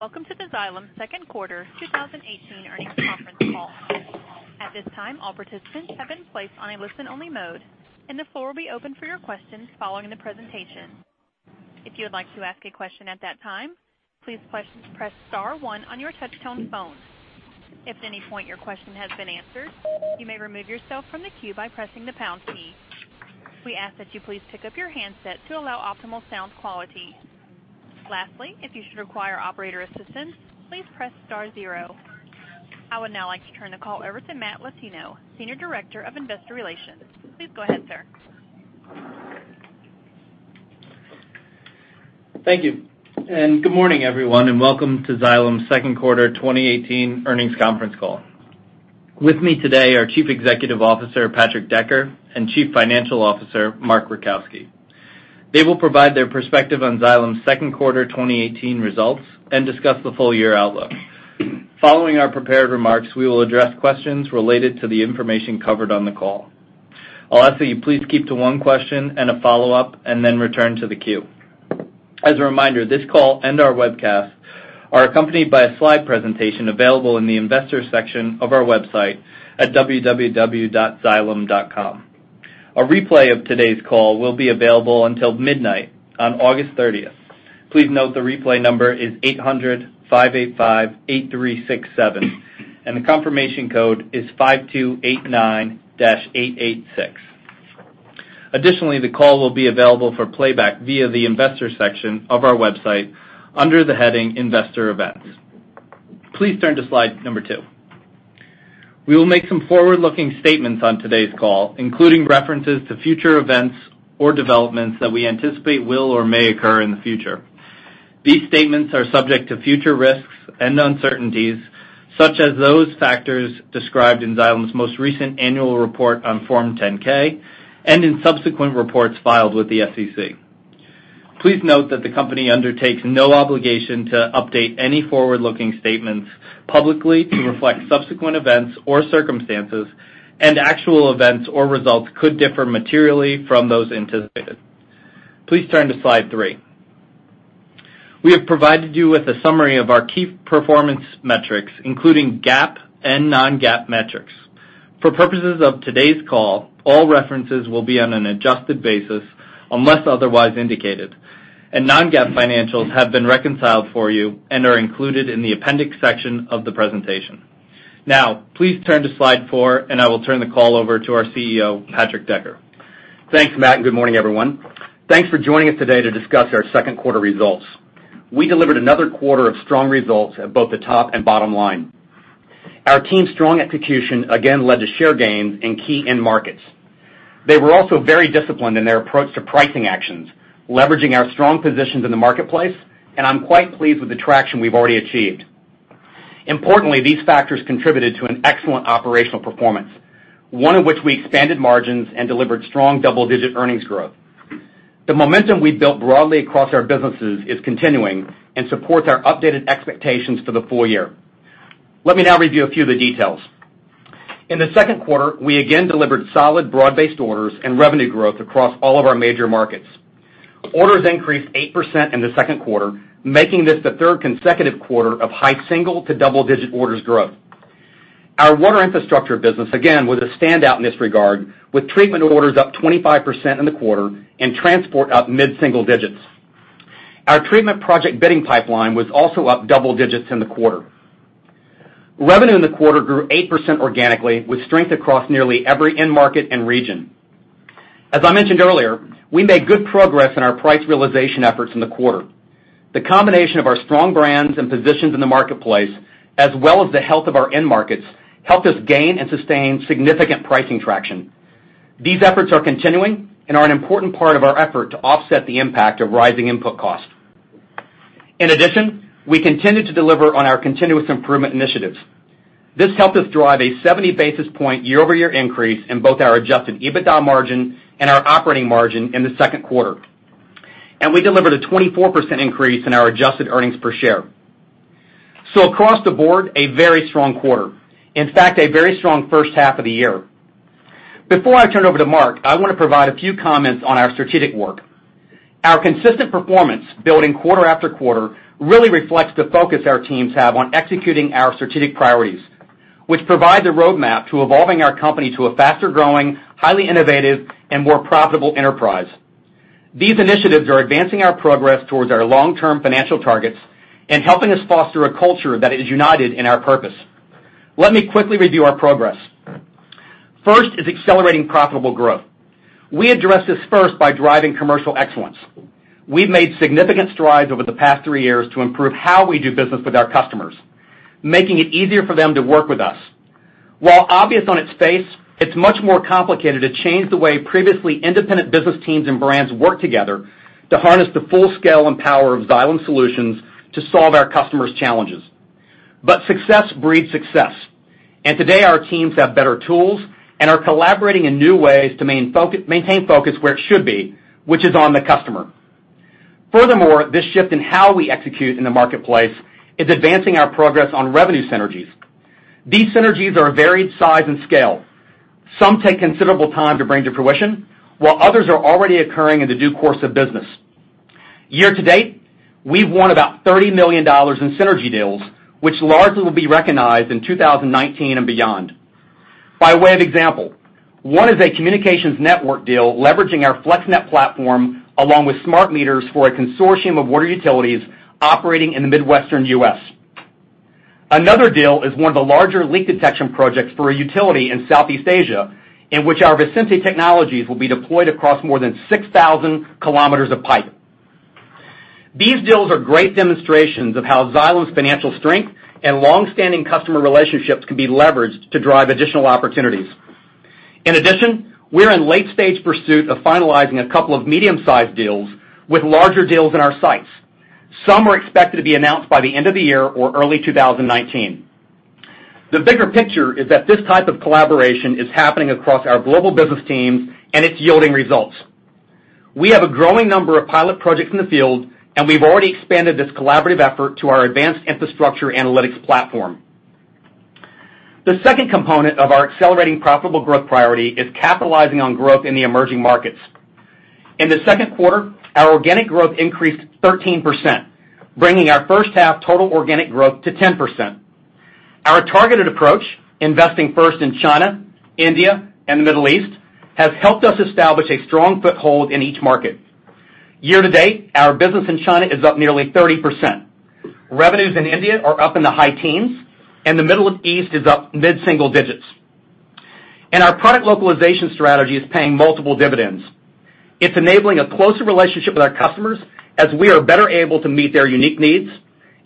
Welcome to the Xylem second quarter 2018 earnings conference call. At this time, all participants have been placed on a listen-only mode, and the floor will be open for your questions following the presentation. If you would like to ask a question at that time, please press star one on your touch-tone phone. If at any point your question has been answered, you may remove yourself from the queue by pressing the pound key. We ask that you please pick up your handset to allow optimal sound quality. Lastly, if you should require operator assistance, please press star zero. I would now like to turn the call over to Matt Latino, senior director of investor relations. Please go ahead, sir. Thank you. Good morning, everyone, and welcome to Xylem's second quarter 2018 earnings conference call. With me today are Chief Executive Officer, Patrick Decker, and Chief Financial Officer, Mark Rajkowski. They will provide their perspective on Xylem's second quarter 2018 results and discuss the full-year outlook. Following our prepared remarks, we will address questions related to the information covered on the call. I'll ask that you please keep to one question and a follow-up, and then return to the queue. As a reminder, this call and our webcast are accompanied by a slide presentation available in the Investors section of our website at www.xylem.com. A replay of today's call will be available until midnight on August 30th. Please note the replay number is 800-585-8367, and the confirmation code is 5289-886. Additionally, the call will be available for playback via the Investors section of our website under the heading Investor Events. Please turn to slide number two. We will make some forward-looking statements on today's call, including references to future events or developments that we anticipate will or may occur in the future. These statements are subject to future risks and uncertainties, such as those factors described in Xylem's most recent annual report on Form 10-K and in subsequent reports filed with the SEC. Please note that the company undertakes no obligation to update any forward-looking statements publicly to reflect subsequent events or circumstances, and actual events or results could differ materially from those anticipated. Please turn to slide three. We have provided you with a summary of our key performance metrics, including GAAP and non-GAAP metrics. For purposes of today's call, all references will be on an adjusted basis unless otherwise indicated, and non-GAAP financials have been reconciled for you and are included in the appendix section of the presentation. Now, please turn to slide four, and I will turn the call over to our CEO, Patrick Decker. Thanks, Matt, and good morning, everyone. Thanks for joining us today to discuss our second quarter results. We delivered another quarter of strong results at both the top and bottom line. Our team's strong execution again led to share gains in key end markets. They were also very disciplined in their approach to pricing actions, leveraging our strong positions in the marketplace, and I'm quite pleased with the traction we've already achieved. Importantly, these factors contributed to an excellent operational performance, one in which we expanded margins and delivered strong double-digit earnings growth. The momentum we've built broadly across our businesses is continuing and supports our updated expectations for the full year. Let me now review a few of the details. In the second quarter, we again delivered solid broad-based orders and revenue growth across all of our major markets. Orders increased 8% in the second quarter, making this the third consecutive quarter of high single to double-digit orders growth. Our Water Infrastructure business again was a standout in this regard, with treatment orders up 25% in the quarter and transport up mid-single digits. Our treatment project bidding pipeline was also up double digits in the quarter. Revenue in the quarter grew 8% organically, with strength across nearly every end market and region. As I mentioned earlier, we made good progress in our price realization efforts in the quarter. The combination of our strong brands and positions in the marketplace, as well as the health of our end markets, helped us gain and sustain significant pricing traction. These efforts are continuing and are an important part of our effort to offset the impact of rising input costs. In addition, we continued to deliver on our continuous improvement initiatives. This helped us drive a 70-basis point year-over-year increase in both our adjusted EBITDA margin and our operating margin in the second quarter. We delivered a 24% increase in our adjusted earnings per share. Across the board, a very strong quarter. In fact, a very strong first half of the year. Before I turn it over to Mark, I want to provide a few comments on our strategic work. Our consistent performance, building quarter after quarter, really reflects the focus our teams have on executing our strategic priorities, which provide the roadmap to evolving our company to a faster-growing, highly innovative, and more profitable enterprise. These initiatives are advancing our progress towards our long-term financial targets and helping us foster a culture that is united in our purpose. Let me quickly review our progress. First is accelerating profitable growth. We address this first by driving commercial excellence. We've made significant strides over the past three years to improve how we do business with our customers, making it easier for them to work with us. While obvious on its face, it's much more complicated to change the way previously independent business teams and brands work together to harness the full scale and power of Xylem solutions to solve our customers' challenges. Success breeds success, and today our teams have better tools and are collaborating in new ways to maintain focus where it should be, which is on the customer. Furthermore, this shift in how we execute in the marketplace is advancing our progress on revenue synergies. These synergies are of varied size and scale. Some take considerable time to bring to fruition, while others are already occurring in the due course of business. Year to date, we've won about $30 million in synergy deals, which largely will be recognized in 2019 and beyond. By way of example, one is a communications network deal leveraging our FlexNet platform along with smart meters for a consortium of water utilities operating in the Midwestern U.S. Another deal is one of the larger leak detection projects for a utility in Southeast Asia, in which our Visenti technologies will be deployed across more than 6,000 kilometers of pipe. These deals are great demonstrations of how Xylem's financial strength and long-standing customer relationships can be leveraged to drive additional opportunities. We're in late-stage pursuit of finalizing a couple of medium-sized deals with larger deals in our sights. Some are expected to be announced by the end of the year or early 2019. The bigger picture is that this type of collaboration is happening across our global business teams, and it's yielding results. We have a growing number of pilot projects in the field, and we've already expanded this collaborative effort to our advanced infrastructure analytics platform. The second component of our accelerating profitable growth priority is capitalizing on growth in the emerging markets. In the second quarter, our organic growth increased 13%, bringing our first half total organic growth to 10%. Our targeted approach, investing first in China, India, and the Middle East, has helped us establish a strong foothold in each market. Year to date, our business in China is up nearly 30%. Revenues in India are up in the high teens, and the Middle East is up mid-single digits. Our product localization strategy is paying multiple dividends. It's enabling a closer relationship with our customers as we are better able to meet their unique needs,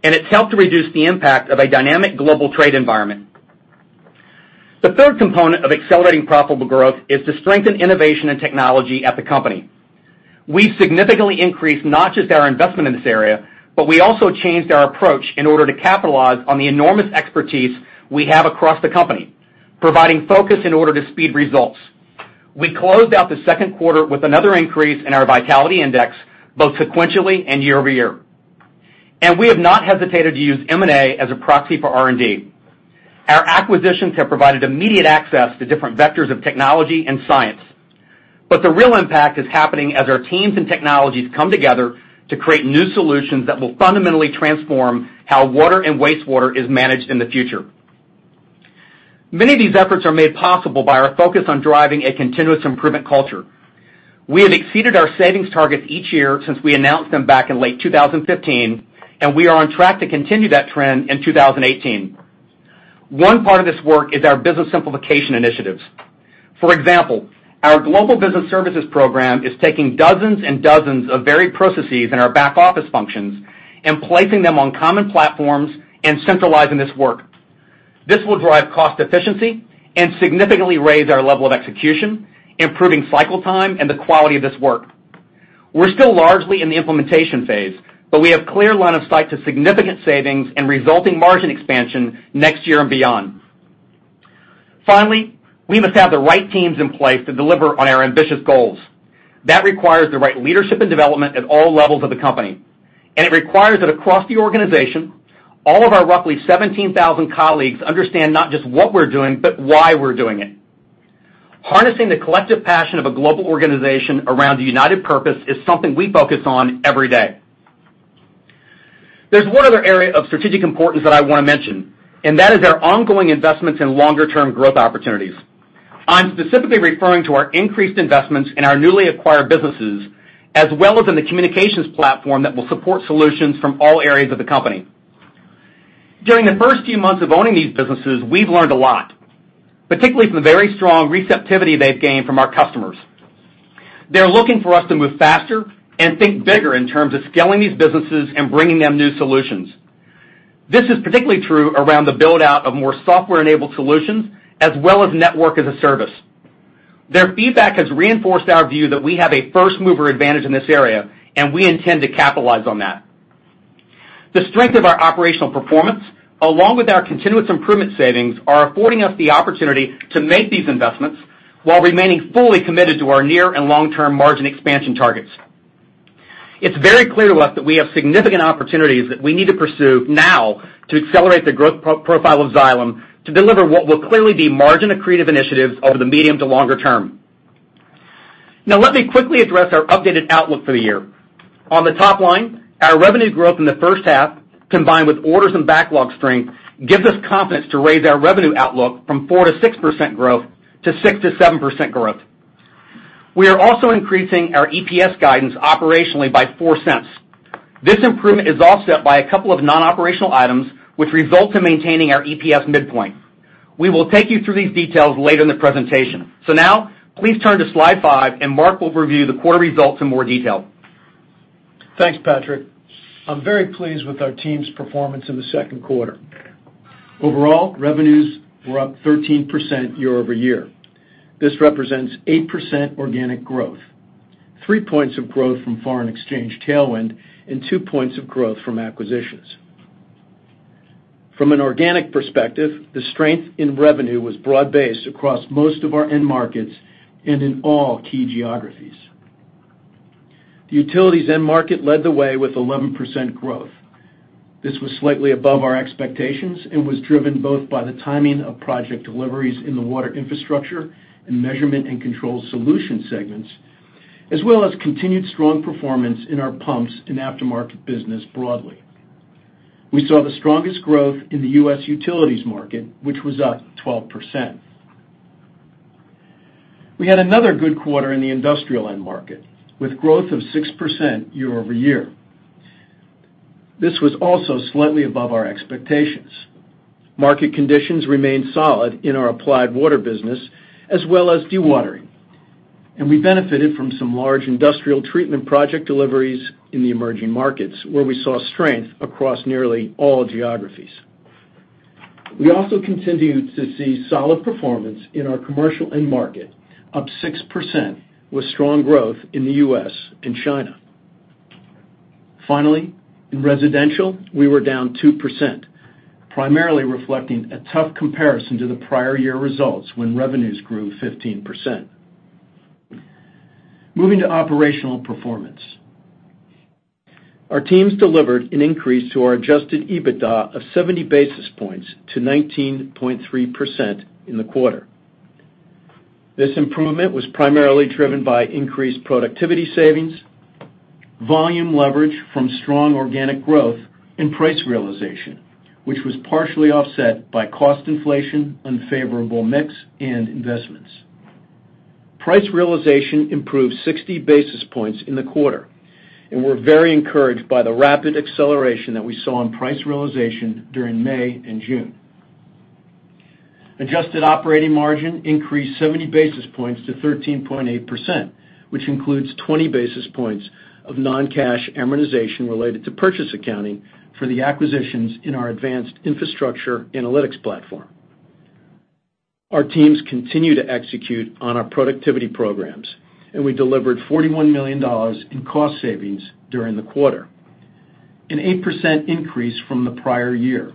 and it's helped to reduce the impact of a dynamic global trade environment. The third component of accelerating profitable growth is to strengthen innovation and technology at the company. We've significantly increased not just our investment in this area, but we also changed our approach in order to capitalize on the enormous expertise we have across the company, providing focus in order to speed results. We closed out the second quarter with another increase in our vitality index, both sequentially and year-over-year. We have not hesitated to use M&A as a proxy for R&D. Our acquisitions have provided immediate access to different vectors of technology and science. The real impact is happening as our teams and technologies come together to create new solutions that will fundamentally transform how water and wastewater is managed in the future. Many of these efforts are made possible by our focus on driving a continuous improvement culture. We have exceeded our savings targets each year since we announced them back in late 2015, and we are on track to continue that trend in 2018. One part of this work is our business simplification initiatives. For example, our global business services program is taking dozens and dozens of varied processes in our back-office functions and placing them on common platforms and centralizing this work. This will drive cost efficiency and significantly raise our level of execution, improving cycle time and the quality of this work. We're still largely in the implementation phase, but we have clear line of sight to significant savings and resulting margin expansion next year and beyond. We must have the right teams in place to deliver on our ambitious goals. That requires the right leadership and development at all levels of the company. It requires that across the organization, all of our roughly 17,000 colleagues understand not just what we're doing, but why we're doing it. Harnessing the collective passion of a global organization around a united purpose is something we focus on every day. There's one other area of strategic importance that I want to mention, and that is our ongoing investments in longer-term growth opportunities. I'm specifically referring to our increased investments in our newly acquired businesses, as well as in the communications platform that will support solutions from all areas of the company. During the first few months of owning these businesses, we've learned a lot, particularly from the very strong receptivity they've gained from our customers. They're looking for us to move faster and think bigger in terms of scaling these businesses and bringing them new solutions. This is particularly true around the build-out of more software-enabled solutions, as well as Network as a Service. Their feedback has reinforced our view that we have a first-mover advantage in this area, and we intend to capitalize on that. The strength of our operational performance, along with our continuous improvement savings, are affording us the opportunity to make these investments while remaining fully committed to our near and long-term margin expansion targets. It's very clear to us that we have significant opportunities that we need to pursue now to accelerate the growth profile of Xylem to deliver what will clearly be margin-accretive initiatives over the medium to longer term. Let me quickly address our updated outlook for the year. On the top line, our revenue growth in the first half, combined with orders and backlog strength, gives us confidence to raise our revenue outlook from 4%-6% growth to 6%-7% growth. We are also increasing our EPS guidance operationally by $0.04. This improvement is offset by a couple of non-operational items which result in maintaining our EPS midpoint. We will take you through these details later in the presentation. Please turn to slide five, and Mark will review the quarter results in more detail. Thanks, Patrick. I'm very pleased with our team's performance in the second quarter. Overall, revenues were up 13% year-over-year. This represents 8% organic growth, three points of growth from foreign exchange tailwind, and two points of growth from acquisitions. From an organic perspective, the strength in revenue was broad-based across most of our end markets and in all key geographies. The utilities end market led the way with 11% growth. This was slightly above our expectations and was driven both by the timing of project deliveries in the Water Infrastructure and Measurement & Control Solutions segments, as well as continued strong performance in our pumps and aftermarket business broadly. We saw the strongest growth in the U.S. utilities market, which was up 12%. We had another good quarter in the industrial end market with growth of 6% year-over-year. This was also slightly above our expectations. Market conditions remained solid in our Applied Water business as well as dewatering, and we benefited from some large industrial treatment project deliveries in the emerging markets where we saw strength across nearly all geographies. We also continued to see solid performance in our commercial end market, up 6% with strong growth in the U.S. and China. Finally, in residential, we were down 2%, primarily reflecting a tough comparison to the prior year results when revenues grew 15%. Moving to operational performance. Our teams delivered an increase to our adjusted EBITDA of 70 basis points to 19.3% in the quarter. This improvement was primarily driven by increased productivity savings, volume leverage from strong organic growth and price realization, which was partially offset by cost inflation, unfavorable mix, and investments. Price realization improved 60 basis points in the quarter. We're very encouraged by the rapid acceleration that we saw on price realization during May and June. Adjusted operating margin increased 70 basis points to 13.8%, which includes 20 basis points of non-cash amortization related to purchase accounting for the acquisitions in our advanced infrastructure analytics solutions. Our teams continue to execute on our productivity programs, and we delivered $41 million in cost savings during the quarter, an 8% increase from the prior year.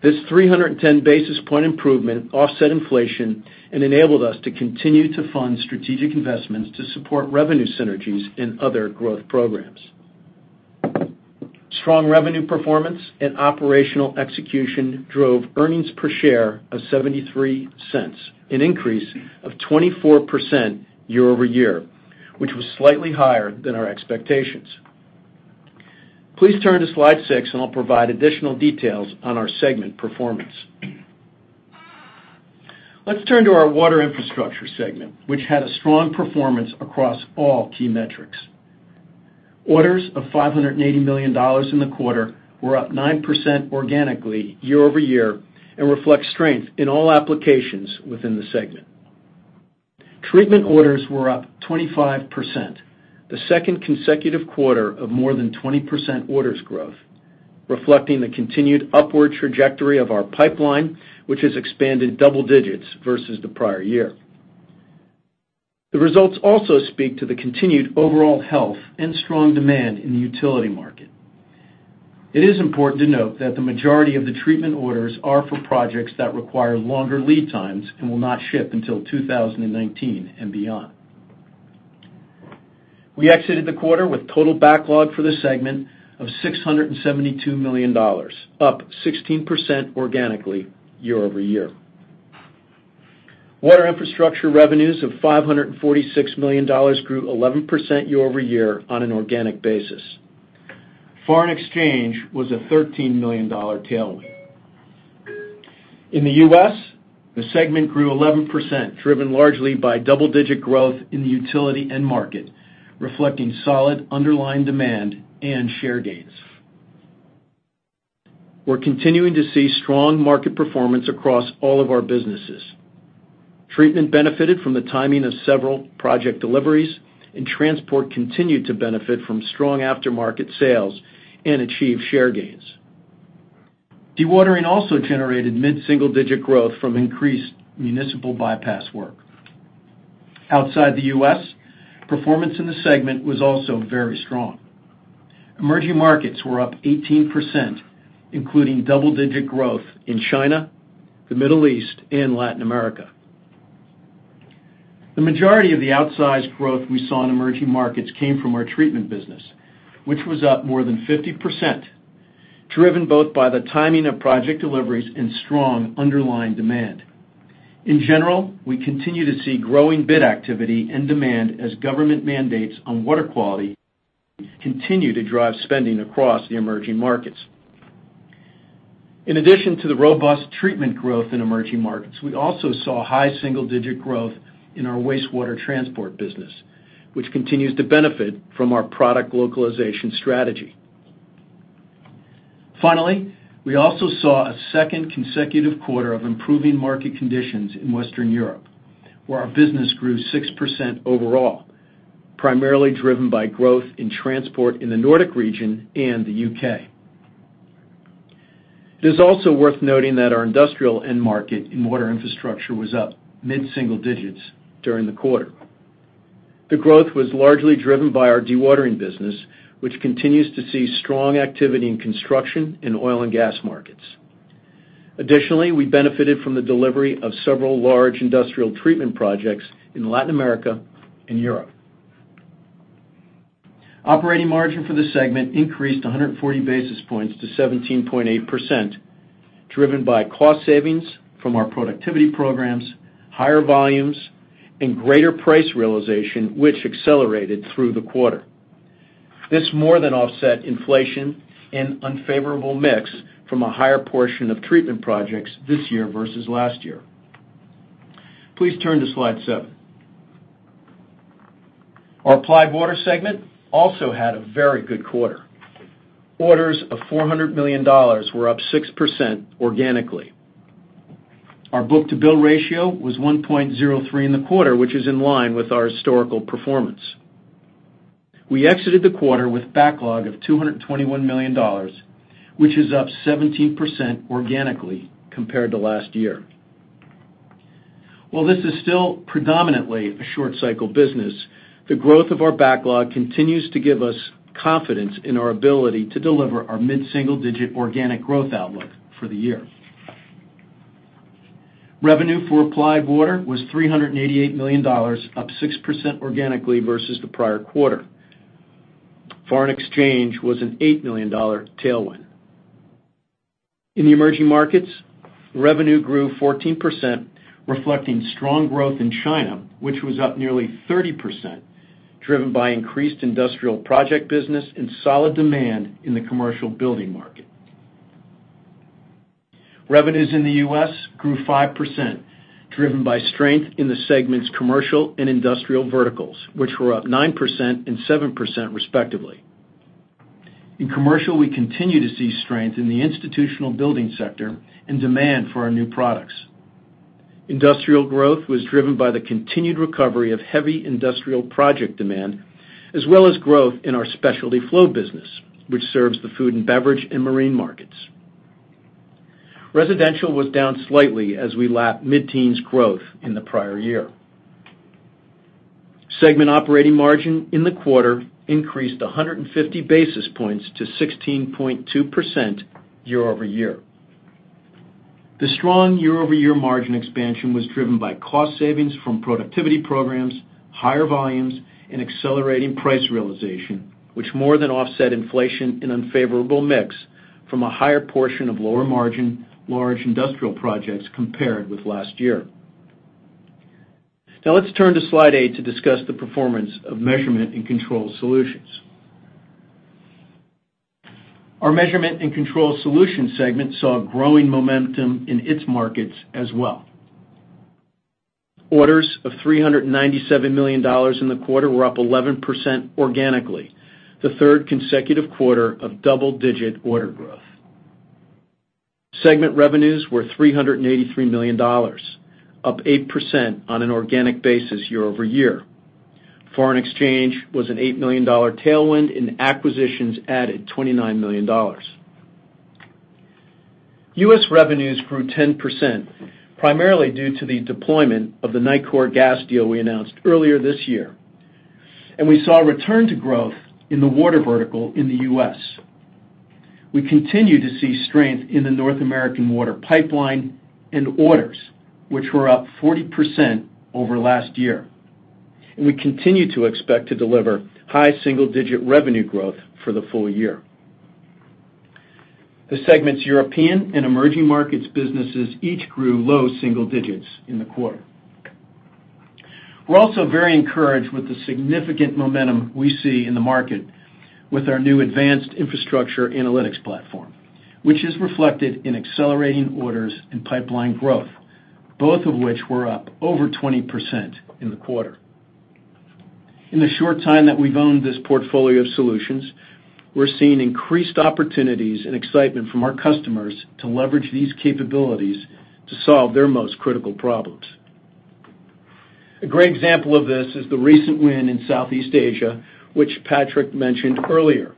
This 310 basis point improvement offset inflation and enabled us to continue to fund strategic investments to support revenue synergies in other growth programs. Strong revenue performance and operational execution drove earnings per share of $0.73, an increase of 24% year-over-year, which was slightly higher than our expectations. Please turn to slide six, and I'll provide additional details on our segment performance. Let's turn to our Water Infrastructure segment, which had a strong performance across all key metrics. Orders of $580 million in the quarter were up 9% organically year-over-year and reflect strength in all applications within the segment. Treatment orders were up 25%, the second consecutive quarter of more than 20% orders growth, reflecting the continued upward trajectory of our pipeline, which has expanded double digits versus the prior year. The results also speak to the continued overall health and strong demand in the utility market. It is important to note that the majority of the treatment orders are for projects that require longer lead times and will not ship until 2019 and beyond. We exited the quarter with total backlog for the segment of $672 million, up 16% organically year-over-year. Water Infrastructure revenues of $546 million grew 11% year-over-year on an organic basis. Foreign exchange was a $13 million tailwind. In the U.S., the segment grew 11%, driven largely by double-digit growth in the utility end market, reflecting solid underlying demand and share gains. We're continuing to see strong market performance across all of our businesses. Treatment benefited from the timing of several project deliveries, and transport continued to benefit from strong aftermarket sales and achieved share gains. Dewatering also generated mid-single-digit growth from increased municipal bypass work. Outside the U.S., performance in the segment was also very strong. Emerging markets were up 18%, including double-digit growth in China, the Middle East, and Latin America. The majority of the outsized growth we saw in emerging markets came from our treatment business, which was up more than 50%, driven both by the timing of project deliveries and strong underlying demand. In general, we continue to see growing bid activity and demand as government mandates on water quality continue to drive spending across the emerging markets. In addition to the robust treatment growth in emerging markets, we also saw high single-digit growth in our wastewater transport business, which continues to benefit from our product localization strategy. Finally, we also saw a second consecutive quarter of improving market conditions in Western Europe, where our business grew 6% overall, primarily driven by growth in transport in the Nordic region and the U.K. It is also worth noting that our industrial end market in Water Infrastructure was up mid-single digits during the quarter. The growth was largely driven by our dewatering business, which continues to see strong activity in construction in oil and gas markets. Additionally, we benefited from the delivery of several large industrial treatment projects in Latin America and Europe. Operating margin for the segment increased 140 basis points to 17.8%, driven by cost savings from our productivity programs, higher volumes, and greater price realization, which accelerated through the quarter. This more than offset inflation and unfavorable mix from a higher portion of treatment projects this year versus last year. Please turn to Slide seven. Our Applied Water segment also had a very good quarter. Orders of $400 million were up 6% organically. Our book-to-bill ratio was 1.03 in the quarter, which is in line with our historical performance. We exited the quarter with backlog of $221 million, which is up 17% organically compared to last year. While this is still predominantly a short-cycle business, the growth of our backlog continues to give us confidence in our ability to deliver our mid-single-digit organic growth outlook for the year. Revenue for Applied Water was $388 million, up 6% organically versus the prior quarter. Foreign exchange was an $8 million tailwind. In the emerging markets, revenue grew 14%, reflecting strong growth in China, which was up nearly 30%, driven by increased industrial project business and solid demand in the commercial building market. Revenues in the U.S. grew 5%, driven by strength in the segment's commercial and industrial verticals, which were up 9% and 7% respectively. In commercial, we continue to see strength in the institutional building sector and demand for our new products. Industrial growth was driven by the continued recovery of heavy industrial project demand, as well as growth in our specialty flow business, which serves the food and beverage and marine markets. Residential was down slightly as we lap mid-teens growth in the prior year. Segment operating margin in the quarter increased 150 basis points to 16.2% year-over-year. The strong year-over-year margin expansion was driven by cost savings from productivity programs, higher volumes, and accelerating price realization, which more than offset inflation and unfavorable mix from a higher portion of lower margin large industrial projects compared with last year. Now let's turn to Slide eight to discuss the performance of Measurement & Control Solutions. Our Measurement & Control Solutions segment saw growing momentum in its markets as well. Orders of $397 million in the quarter were up 11% organically, the third consecutive quarter of double-digit order growth. Segment revenues were $383 million, up 8% on an organic basis year-over-year. Foreign exchange was an $8 million tailwind and acquisitions added $29 million. U.S. revenues grew 10%, primarily due to the deployment of the Nicor Gas deal we announced earlier this year. We saw a return to growth in the water vertical in the U.S. We continue to see strength in the North American water pipeline and orders, which were up 40% over last year, and we continue to expect to deliver high single-digit revenue growth for the full year. The segment's European and emerging markets businesses each grew low single digits in the quarter. We're also very encouraged with the significant momentum we see in the market with our new advanced infrastructure analytics solutions, which is reflected in accelerating orders and pipeline growth, both of which were up over 20% in the quarter. In the short time that we've owned this portfolio of solutions, we're seeing increased opportunities and excitement from our customers to leverage these capabilities to solve their most critical problems. A great example of this is the recent win in Southeast Asia, which Patrick mentioned earlier.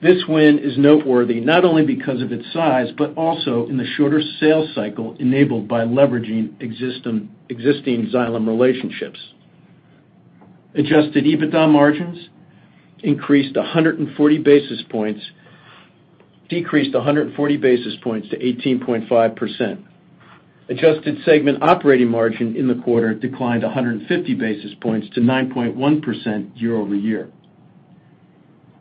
This win is noteworthy not only because of its size, but also in the shorter sales cycle enabled by leveraging existing Xylem relationships. Adjusted EBITDA margins decreased 140 basis points to 18.5%. Adjusted segment operating margin in the quarter declined 150 basis points to 9.1% year-over-year.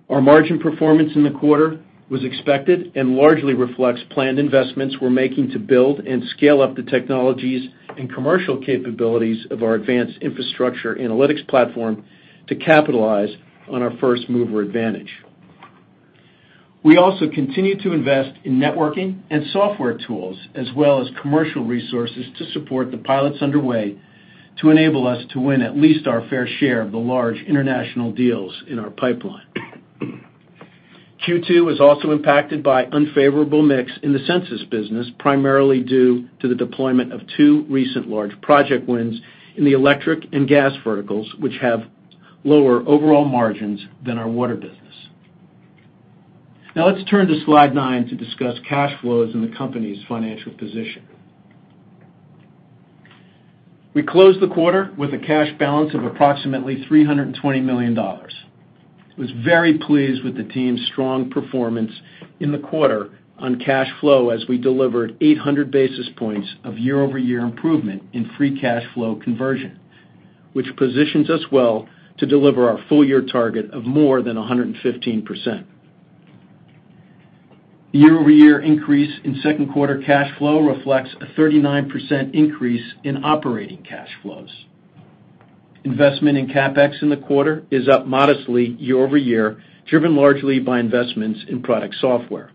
Our margin performance in the quarter was expected and largely reflects planned investments we're making to build and scale up the technologies and commercial capabilities of our advanced infrastructure analytics solutions to capitalize on our first-mover advantage. We also continue to invest in networking and software tools as well as commercial resources to support the pilots underway to enable us to win at least our fair share of the large international deals in our pipeline. Q2 was also impacted by unfavorable mix in the Sensus business, primarily due to the deployment of two recent large project wins in the electric and gas verticals, which have lower overall margins than our water business. Now let's turn to Slide 9 to discuss cash flows and the company's financial position. We closed the quarter with a cash balance of approximately $320 million. I was very pleased with the team's strong performance in the quarter on cash flow, as we delivered 800 basis points of year-over-year improvement in free cash flow conversion, which positions us well to deliver our full-year target of more than 115%. The year-over-year increase in second quarter cash flow reflects a 39% increase in operating cash flows. Investment in CapEx in the quarter is up modestly year-over-year, driven largely by investments in product software.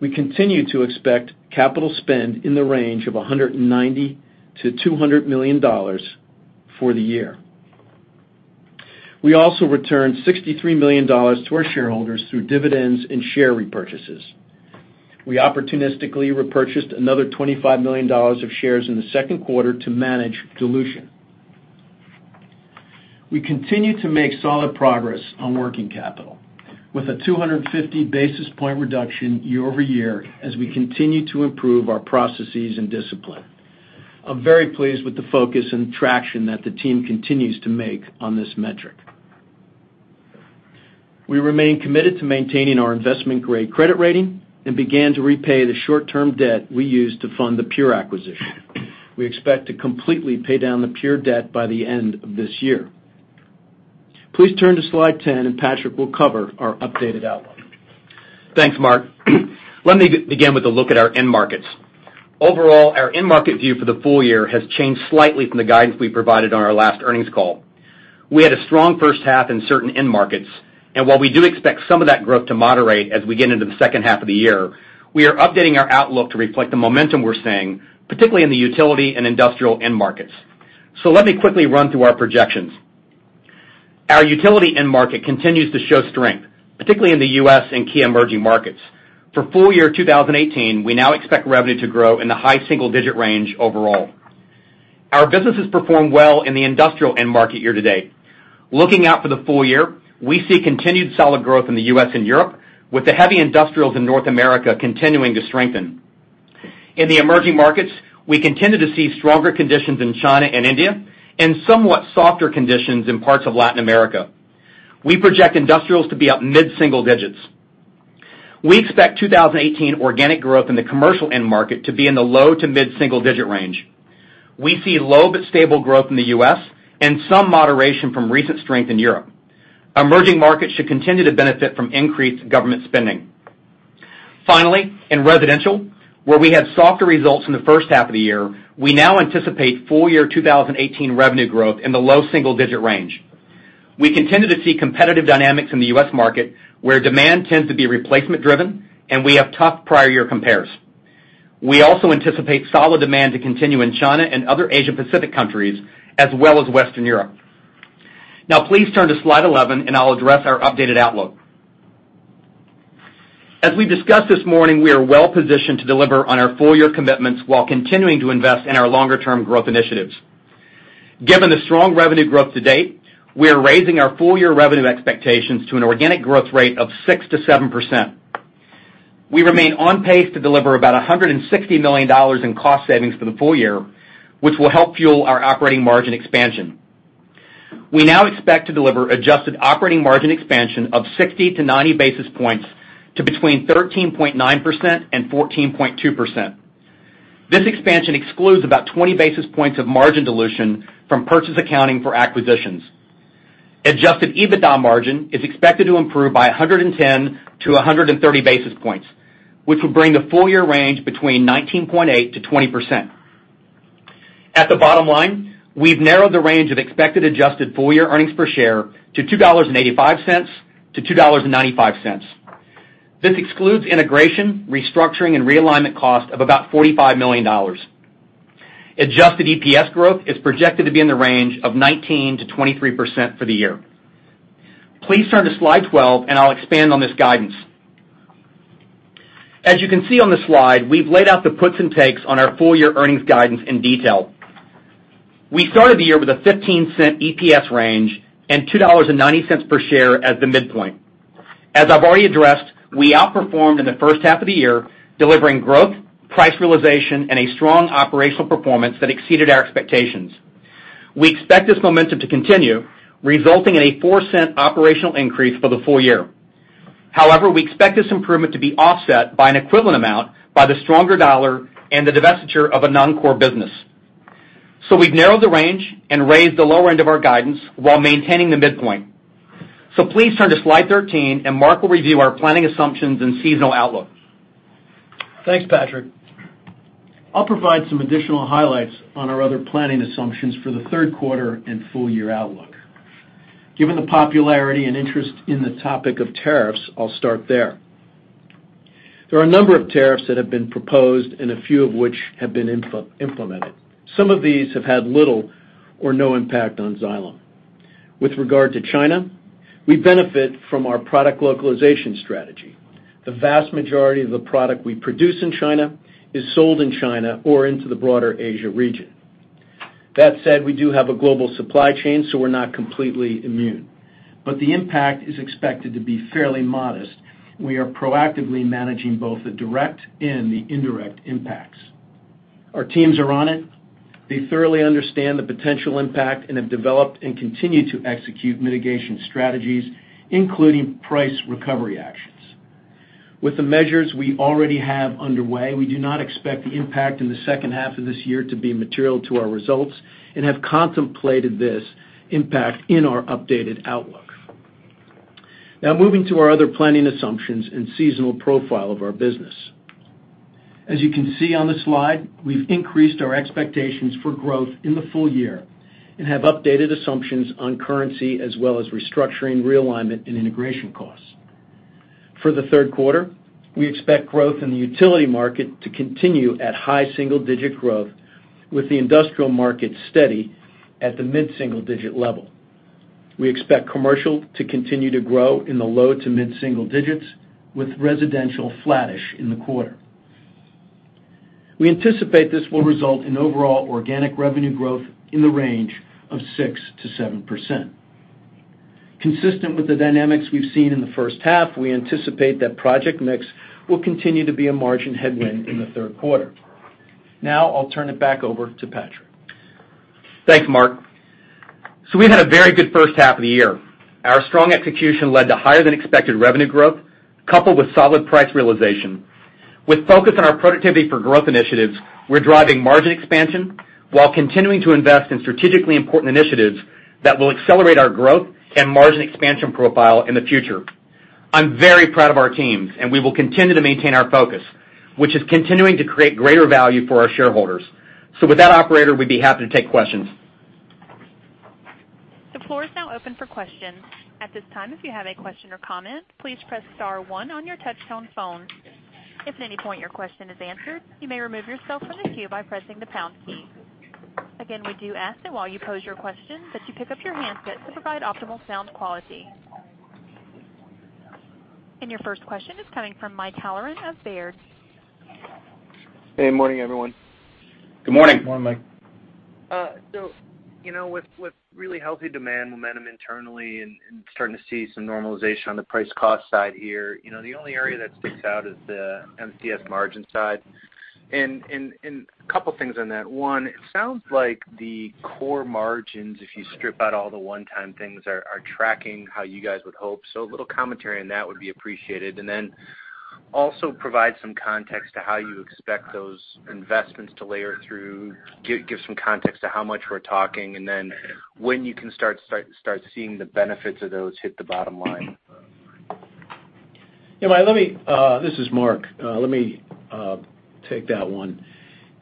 We continue to expect capital spend in the range of $190 million-$200 million for the year. We also returned $63 million to our shareholders through dividends and share repurchases. We opportunistically repurchased another $25 million of shares in the second quarter to manage dilution. We continue to make solid progress on working capital with a 250 basis point reduction year-over-year as we continue to improve our processes and discipline. I'm very pleased with the focus and traction that the team continues to make on this metric. We remain committed to maintaining our investment-grade credit rating and began to repay the short-term debt we used to fund the Pure acquisition. We expect to completely pay down the Pure debt by the end of this year. Please turn to Slide 10, and Patrick will cover our updated outlook. Thanks, Mark. Let me begin with a look at our end markets. Overall, our end market view for the full year has changed slightly from the guidance we provided on our last earnings call. We had a strong first half in certain end markets, and while we do expect some of that growth to moderate as we get into the second half of the year, we are updating our outlook to reflect the momentum we're seeing, particularly in the utility and industrial end markets. Let me quickly run through our projections. Our utility end market continues to show strength, particularly in the U.S. and key emerging markets. For full-year 2018, we now expect revenue to grow in the high single-digit range overall. Our businesses performed well in the industrial end market year to date. Looking out for the full year, we see continued solid growth in the U.S. and Europe, with the heavy industrials in North America continuing to strengthen. In the emerging markets, we continue to see stronger conditions in China and India and somewhat softer conditions in parts of Latin America. We project industrials to be up mid-single digits. We expect 2018 organic growth in the commercial end market to be in the low to mid-single digit range. We see low but stable growth in the U.S. and some moderation from recent strength in Europe. Emerging markets should continue to benefit from increased government spending. Finally, in residential, where we had softer results in the first half of the year, we now anticipate full-year 2018 revenue growth in the low single-digit range. We continue to see competitive dynamics in the U.S. market, where demand tends to be replacement driven, and we have tough prior year compares. We also anticipate solid demand to continue in China and other Asia Pacific countries, as well as Western Europe. Now, please turn to Slide 11, and I'll address our updated outlook. As we've discussed this morning, we are well positioned to deliver on our full-year commitments while continuing to invest in our longer-term growth initiatives. Given the strong revenue growth to date, we are raising our full-year revenue expectations to an organic growth rate of 6%-7%. We remain on pace to deliver about $160 million in cost savings for the full year, which will help fuel our operating margin expansion. We now expect to deliver adjusted operating margin expansion of 60 to 90 basis points to between 13.9% and 14.2%. This expansion excludes about 20 basis points of margin dilution from purchase accounting for acquisitions. Adjusted EBITDA margin is expected to improve by 110 to 130 basis points, which will bring the full-year range between 19.8%-20%. At the bottom line, we've narrowed the range of expected adjusted full-year earnings per share to $2.85-$2.95. This excludes integration, restructuring, and realignment cost of about $45 million. Adjusted EPS growth is projected to be in the range of 19%-23% for the year. Please turn to Slide 12 and I'll expand on this guidance. As you can see on the slide, we've laid out the puts and takes on our full-year earnings guidance in detail. We started the year with a $0.15 EPS range and $2.90 per share as the midpoint. As I've already addressed, we outperformed in the first half of the year, delivering growth, price realization, and a strong operational performance that exceeded our expectations. We expect this momentum to continue, resulting in a $0.04 operational increase for the full year. However, we expect this improvement to be offset by an equivalent amount by the stronger dollar and the divestiture of a non-core business. We've narrowed the range and raised the lower end of our guidance while maintaining the midpoint. Please turn to Slide 13, and Mark will review our planning assumptions and seasonal outlook. Thanks, Patrick. I'll provide some additional highlights on our other planning assumptions for the third quarter and full-year outlook. Given the popularity and interest in the topic of tariffs, I'll start there. There are a number of tariffs that have been proposed and a few of which have been implemented. Some of these have had little or no impact on Xylem. With regard to China, we benefit from our product localization strategy. The vast majority of the product we produce in China is sold in China or into the broader Asia region. That said, we do have a global supply chain, we're not completely immune. The impact is expected to be fairly modest. We are proactively managing both the direct and the indirect impacts. Our teams are on it. They thoroughly understand the potential impact and have developed and continue to execute mitigation strategies, including price recovery actions. With the measures we already have underway, we do not expect the impact in the second half of this year to be material to our results and have contemplated this impact in our updated outlook. Now moving to our other planning assumptions and seasonal profile of our business. As you can see on the slide, we've increased our expectations for growth in the full year and have updated assumptions on currency as well as restructuring, realignment, and integration costs. For the third quarter, we expect growth in the utility market to continue at high single-digit growth with the industrial market steady at the mid-single-digit level. We expect commercial to continue to grow in the low to mid-single digits with residential flattish in the quarter. We anticipate this will result in overall organic revenue growth in the range of 6%-7%. Consistent with the dynamics we've seen in the first half, we anticipate that project mix will continue to be a margin headwind in the third quarter. Now I'll turn it back over to Patrick. Thanks, Mark. We've had a very good first half of the year. Our strong execution led to higher than expected revenue growth, coupled with solid price realization. With focus on our Productivity for Growth initiatives, we're driving margin expansion while continuing to invest in strategically important initiatives that will accelerate our growth and margin expansion profile in the future. I'm very proud of our teams, and we will continue to maintain our focus, which is continuing to create greater value for our shareholders. With that, operator, we'd be happy to take questions. The floor is now open for questions. At this time, if you have a question or comment, please press star one on your touch-tone phone. If at any point your question is answered, you may remove yourself from the queue by pressing the pound key. Again, we do ask that while you pose your question, that you pick up your handset to provide optimal sound quality. Your first question is coming from Michael Halloran of Baird. Good morning, everyone. Good morning. Good morning, Mike. With really healthy demand momentum internally and starting to see some normalization on the price cost side here, the only area that sticks out is the MCS margin side. A couple things on that. One, it sounds like the core margins, if you strip out all the one-time things, are tracking how you guys would hope. A little commentary on that would be appreciated. Also provide some context to how you expect those investments to layer through, give some context to how much we're talking, and then when you can start seeing the benefits of those hit the bottom line. Yeah, Mike, this is Mark. Let me take that one.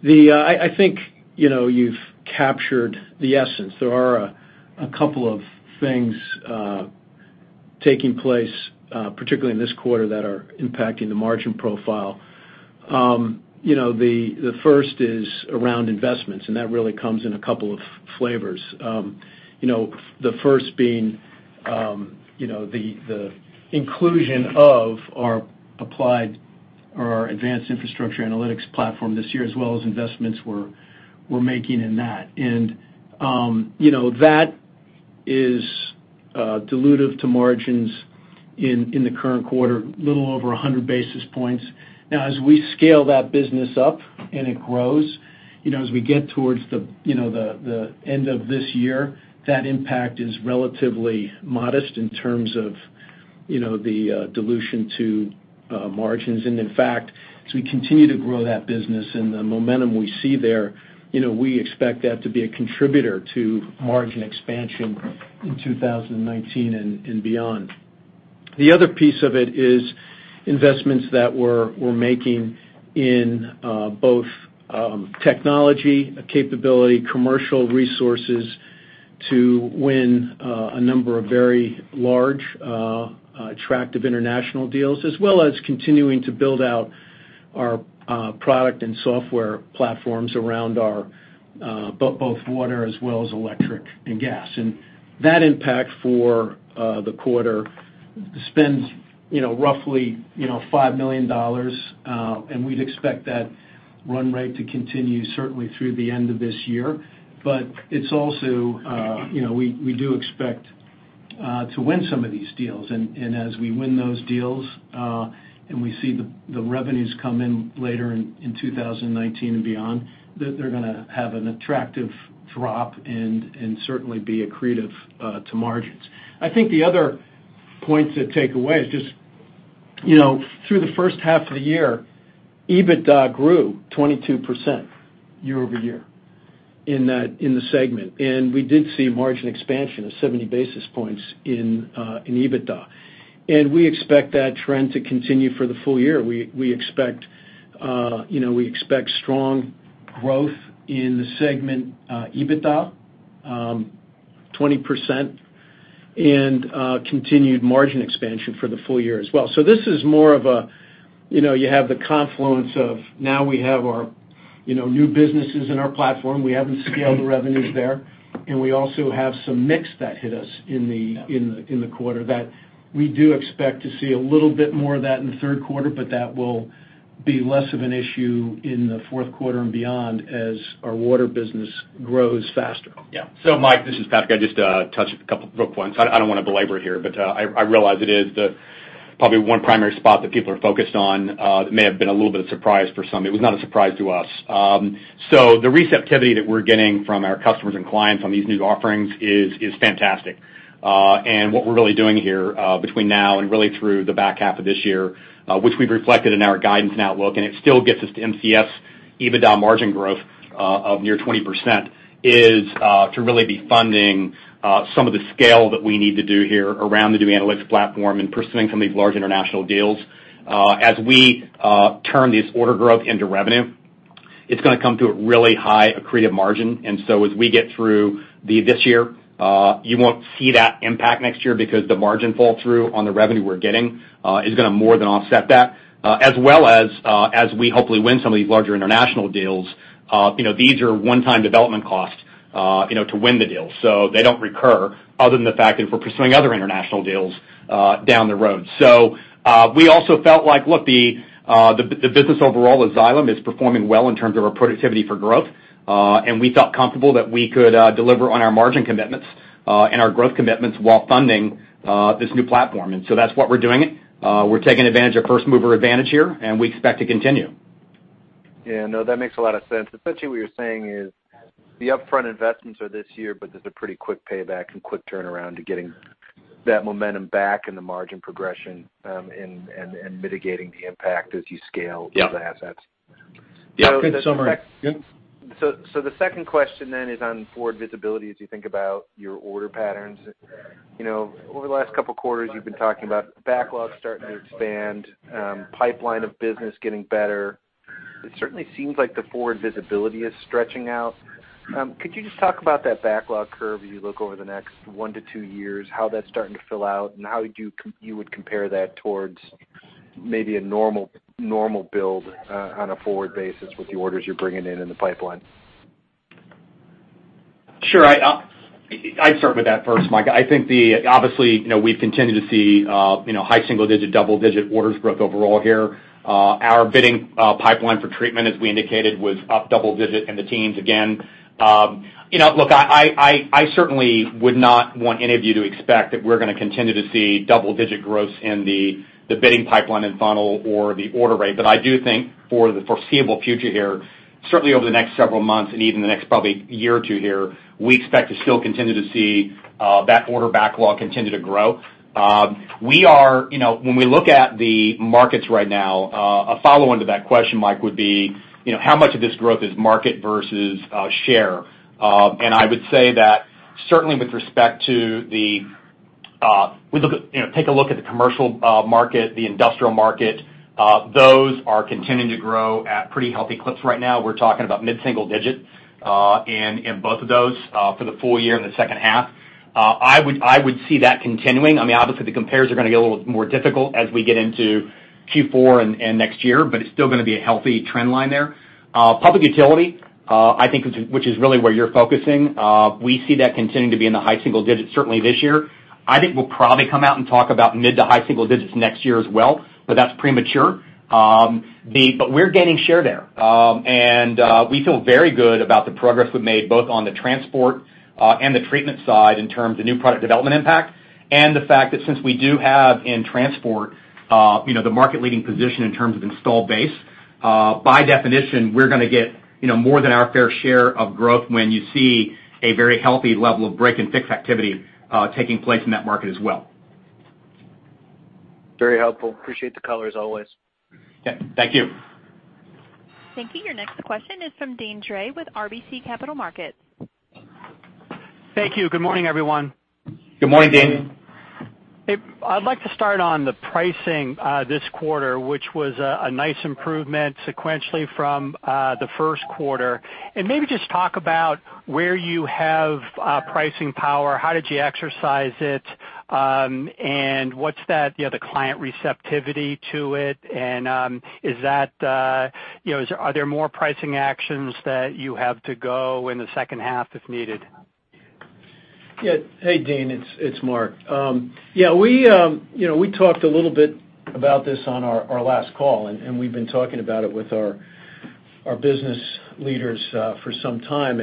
I think you've captured the essence. There are a couple of things taking place, particularly in this quarter, that are impacting the margin profile. The first is around investments, and that really comes in two flavors. The first being the inclusion of our applied or our advanced infrastructure analytics solutions this year, as well as investments we're making in that. That is dilutive to margins in the current quarter, a little over 100 basis points. Now, as we scale that business up and it grows, as we get towards the end of this year, that impact is relatively modest in terms of the dilution to margins. In fact, as we continue to grow that business and the momentum we see there, we expect that to be a contributor to margin expansion in 2019 and beyond. The other piece of it is investments that we're making in both technology capability, commercial resources to win a number of very large, attractive international deals, as well as continuing to build out our product and software platforms around both water as well as electric and gas. That impact for the quarter spends roughly $5 million. We'd expect that run rate to continue certainly through the end of this year. We do expect to win some of these deals. As we win those deals, and we see the revenues come in later in 2019 and beyond, they're going to have an attractive drop and certainly be accretive to margins. I think the other point to take away is just through the first half of the year, EBITDA grew 22% year-over-year in the segment. We did see a margin expansion of 70 basis points in EBITDA. We expect that trend to continue for the full year. We expect strong growth in the segment EBITDA, 20%, and continued margin expansion for the full year as well. This is more of you have the confluence of now we have our new businesses in our platform. We haven't scaled the revenues there. We also have some mix that hit us in the quarter that we do expect to see a little bit more of that in the third quarter, but that will be less of an issue in the fourth quarter and beyond as our water business grows faster. Mike, this is Patrick. I'll just touch a couple of quick points. I don't want to belabor here, but I realize it is the Probably one primary spot that people are focused on that may have been a little bit of surprise for some. It was not a surprise to us. The receptivity that we're getting from our customers and clients on these new offerings is fantastic. What we're really doing here between now and really through the back half of this year, which we've reflected in our guidance and outlook, and it still gets us to MCS EBITDA margin growth of near 20%, is to really be funding some of the scale that we need to do here around the new analytics platform and pursuing some of these large international deals. As we turn this order growth into revenue, it's going to come to a really high accretive margin. As we get through this year, you won't see that impact next year because the margin fall-through on the revenue we're getting is going to more than offset that. As well as we hopefully win some of these larger international deals, these are one-time development costs to win the deal, so they don't recur other than the fact that if we're pursuing other international deals down the road. We also felt like the business overall at Xylem is performing well in terms of our Productivity for Growth. We felt comfortable that we could deliver on our margin commitments and our growth commitments while funding this new platform. That's what we're doing. We're taking advantage of first-mover advantage here, and we expect to continue. That makes a lot of sense. Essentially what you're saying is the upfront investments are this year, but there's a pretty quick payback and quick turnaround to getting that momentum back in the margin progression and mitigating the impact as you scale. Yeah those assets. Yeah. Good summary. Yeah. The second question is on forward visibility as you think about your order patterns. Over the last couple of quarters, you've been talking about backlog starting to expand, pipeline of business getting better. It certainly seems like the forward visibility is stretching out. Could you just talk about that backlog curve as you look over the next one to two years, how that's starting to fill out, and how you would compare that towards maybe a normal build on a forward basis with the orders you're bringing in in the pipeline? Sure. I'd start with that first, Mike. I think obviously, we've continued to see high single-digit, double-digit orders growth overall here. Our bidding pipeline for treatment, as we indicated, was up double-digit in the teens again. Look, I certainly would not want any of you to expect that we're going to continue to see double-digit growths in the bidding pipeline and funnel or the order rate. I do think for the foreseeable future here, certainly over the next several months and even the next probably year or two here, we expect to still continue to see that order backlog continue to grow. When we look at the markets right now, a follow-on to that question, Mike, would be how much of this growth is market versus share? I would say that certainly, Take a look at the commercial market, the industrial market. Those are continuing to grow at pretty healthy clips right now. We're talking about mid-single digit in both of those for the full year and the second half. I would see that continuing. Obviously, the compares are going to get a little more difficult as we get into Q4 and next year, it's still going to be a healthy trend line there. Public utility, I think which is really where you're focusing, we see that continuing to be in the high single digits certainly this year. I think we'll probably come out and talk about mid to high single digits next year as well, that's premature. We're gaining share there. We feel very good about the progress we've made, both on the transport and the treatment side in terms of new product development impact and the fact that since we do have in transport the market leading position in terms of installed base, by definition, we're going to get more than our fair share of growth when you see a very healthy level of break and fix activity taking place in that market as well. Very helpful. Appreciate the color as always. Okay. Thank you. Thank you. Your next question is from Deane Dray with RBC Capital Markets. Thank you. Good morning, everyone. Good morning, Deane. I'd like to start on the pricing this quarter, which was a nice improvement sequentially from the first quarter. Maybe just talk about where you have pricing power, how did you exercise it, and what's the client receptivity to it, and are there more pricing actions that you have to go in the second half if needed? Hey, Deane, it's Mark. We talked a little bit about this on our last call, and we've been talking about it with our business leaders for some time.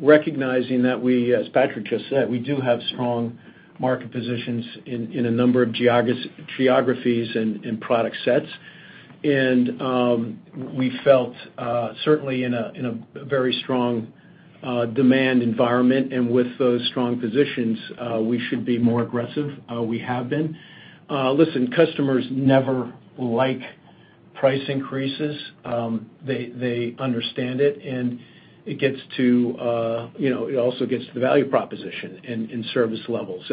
Recognizing that we, as Patrick just said, we do have strong market positions in a number of geographies and product sets. We felt certainly in a very strong demand environment and with those strong positions, we should be more aggressive. We have been. Listen, customers never like price increases. They understand it, and it also gets to the value proposition and service levels.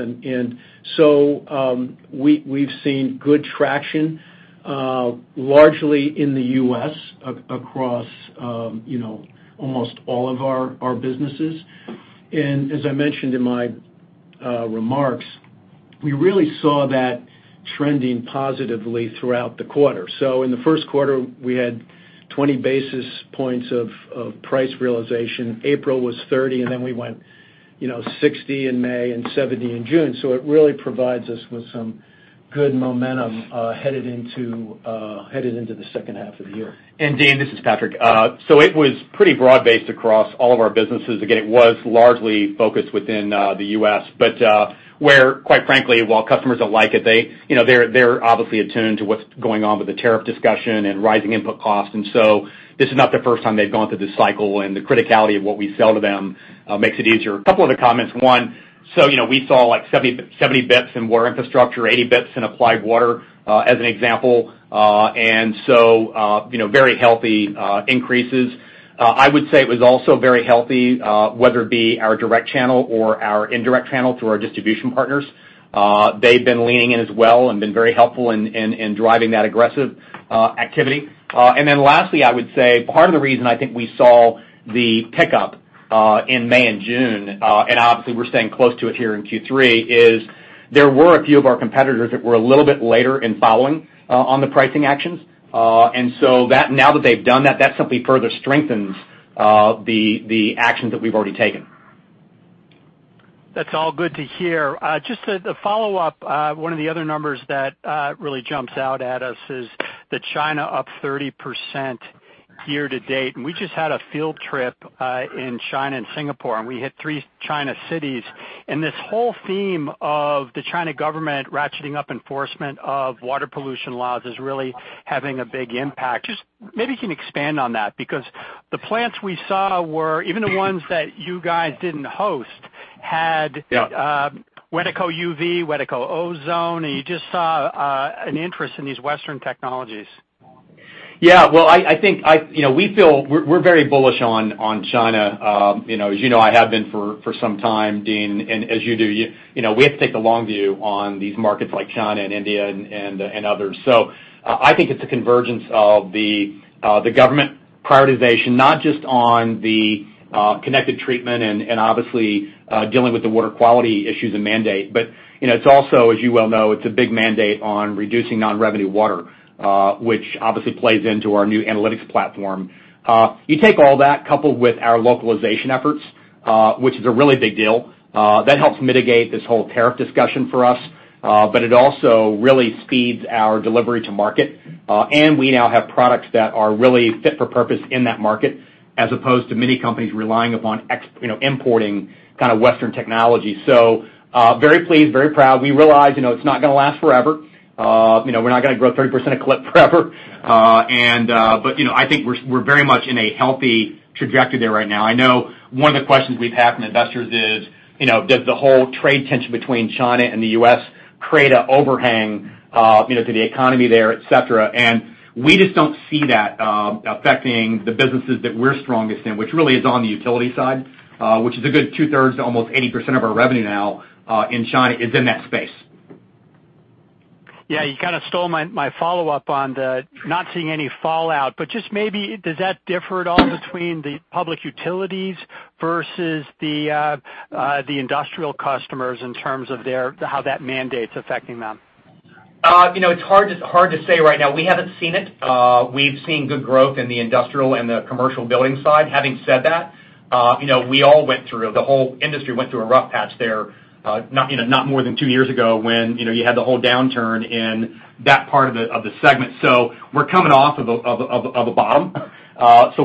We've seen good traction largely in the U.S. across almost all of our businesses. As I mentioned in my remarks, we really saw that trending positively throughout the quarter. In the first quarter, we had 20 basis points of price realization. April was 30 basis points, we went 60 basis points in May and 70 basis points in June. It really provides us with some good momentum headed into the second half of the year. Deane, this is Patrick. It was pretty broad-based across all of our businesses. Again, it was largely focused within the U.S., but where, quite frankly, while customers don't like it, they're obviously attuned to what's going on with the tariff discussion and rising input costs. This is not the first time they've gone through this cycle, and the criticality of what we sell to them makes it easier. A couple other comments. One, we saw like 70 basis points in Water Infrastructure, 80 basis points in Applied Water, as an example. Very healthy increases. I would say it was also very healthy, whether it be our direct channel or our indirect channel through our distribution partners. They've been leaning in as well and been very helpful in driving that aggressive activity. Lastly, I would say part of the reason I think we saw the pickup in May and June, and obviously we're staying close to it here in Q3, is there were a few of our competitors that were a little bit later in following on the pricing actions. Now that they've done that simply further strengthens the actions that we've already taken. That's all good to hear. Just a follow-up. One of the other numbers that really jumps out at us is the China up 30% year to date, we just had a field trip in China and Singapore, we hit three China cities. This whole theme of the China government ratcheting up enforcement of water pollution laws is really having a big impact. Just maybe you can expand on that, because the plants we saw, even the ones that you guys didn't host, had- Yeah Wedeco UV, Wedeco Ozone, you just saw an interest in these Western technologies. Yeah. Well, we're very bullish on China. As you know, I have been for some time, Deane, and as you do. We have to take the long view on these markets like China and India and others. I think it's a convergence of the government prioritization, not just on the connected treatment and obviously, dealing with the water quality issues and mandate, but it's also, as you well know, it's a big mandate on reducing non-revenue water, which obviously plays into our new analytics platform. You take all that coupled with our localization efforts, which is a really big deal, that helps mitigate this whole tariff discussion for us. It also really speeds our delivery to market. We now have products that are really fit for purpose in that market, as opposed to many companies relying upon importing Western technology. Very pleased, very proud. We realize it's not going to last forever. We're not going to grow 30% forever. I think we're very much in a healthy trajectory there right now. I know one of the questions we've had from investors is, does the whole trade tension between China and the U.S. create an overhang to the economy there, et cetera? We just don't see that affecting the businesses that we're strongest in, which really is on the utility side, which is a good two-thirds to almost 80% of our revenue now in China is in that space. Yeah, you kind of stole my follow-up on the not seeing any fallout, just maybe, does that differ at all between the public utilities versus the industrial customers in terms of how that mandate's affecting them? It's hard to say right now. We haven't seen it. We've seen good growth in the industrial and the commercial building side. Having said that, the whole industry went through a rough patch there, not more than two years ago when you had the whole downturn in that part of the segment. We're coming off of a bottom.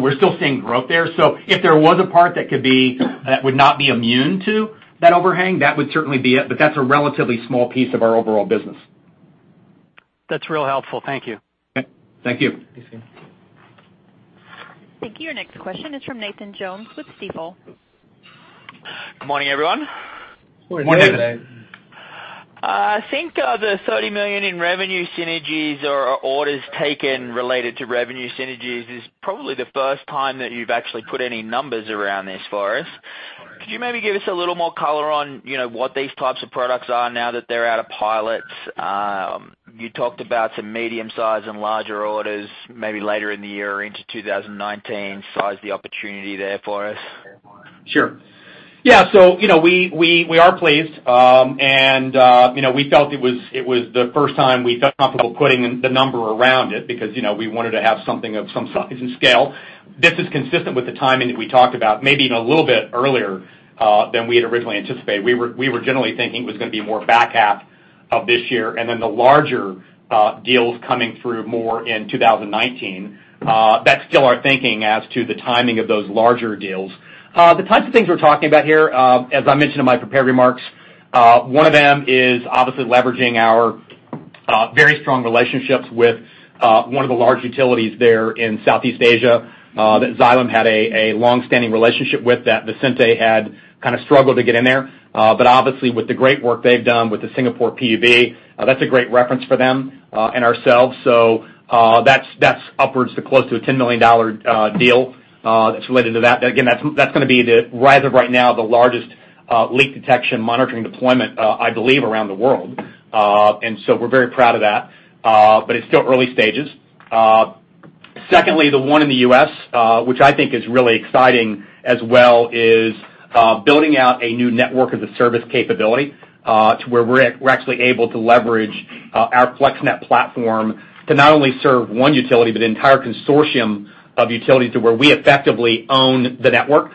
We're still seeing growth there. If there was a part that would not be immune to that overhang, that would certainly be it, but that's a relatively small piece of our overall business. That's real helpful. Thank you. Okay. Thank you. Thank you. Your next question is from Nathan Jones with Stifel. Good morning, everyone. Morning. Morning. I think the $30 million in revenue synergies or orders taken related to revenue synergies is probably the first time that you've actually put any numbers around this for us. Could you maybe give us a little more color on what these types of products are now that they're out of pilot? You talked about some medium size and larger orders maybe later in the year or into 2019. Size the opportunity there for us. Sure. Yeah. We are pleased. We felt it was the first time we felt comfortable putting the number around it because we wanted to have something of some size and scale. This is consistent with the timing that we talked about, maybe even a little bit earlier, than we had originally anticipated. We were generally thinking it was going to be more back half of this year, and then the larger deals coming through more in 2019. That's still our thinking as to the timing of those larger deals. The types of things we're talking about here, as I mentioned in my prepared remarks, one of them is obviously leveraging our very strong relationships with one of the large utilities there in Southeast Asia, that Xylem had a long-standing relationship with that Visenti had kind of struggled to get in there. Obviously, with the great work they've done with the Singapore PUB, that's a great reference for them and ourselves. That's upwards to close to a $10 million deal that's related to that. Again, that's going to be, as of right now, the largest leak detection monitoring deployment, I believe, around the world. We're very proud of that. It's still early stages. Secondly, the one in the U.S., which I think is really exciting as well, is building out a new Network as a Service capability, to where we're actually able to leverage our FlexNet platform to not only serve one utility, but an entire consortium of utilities to where we effectively own the network.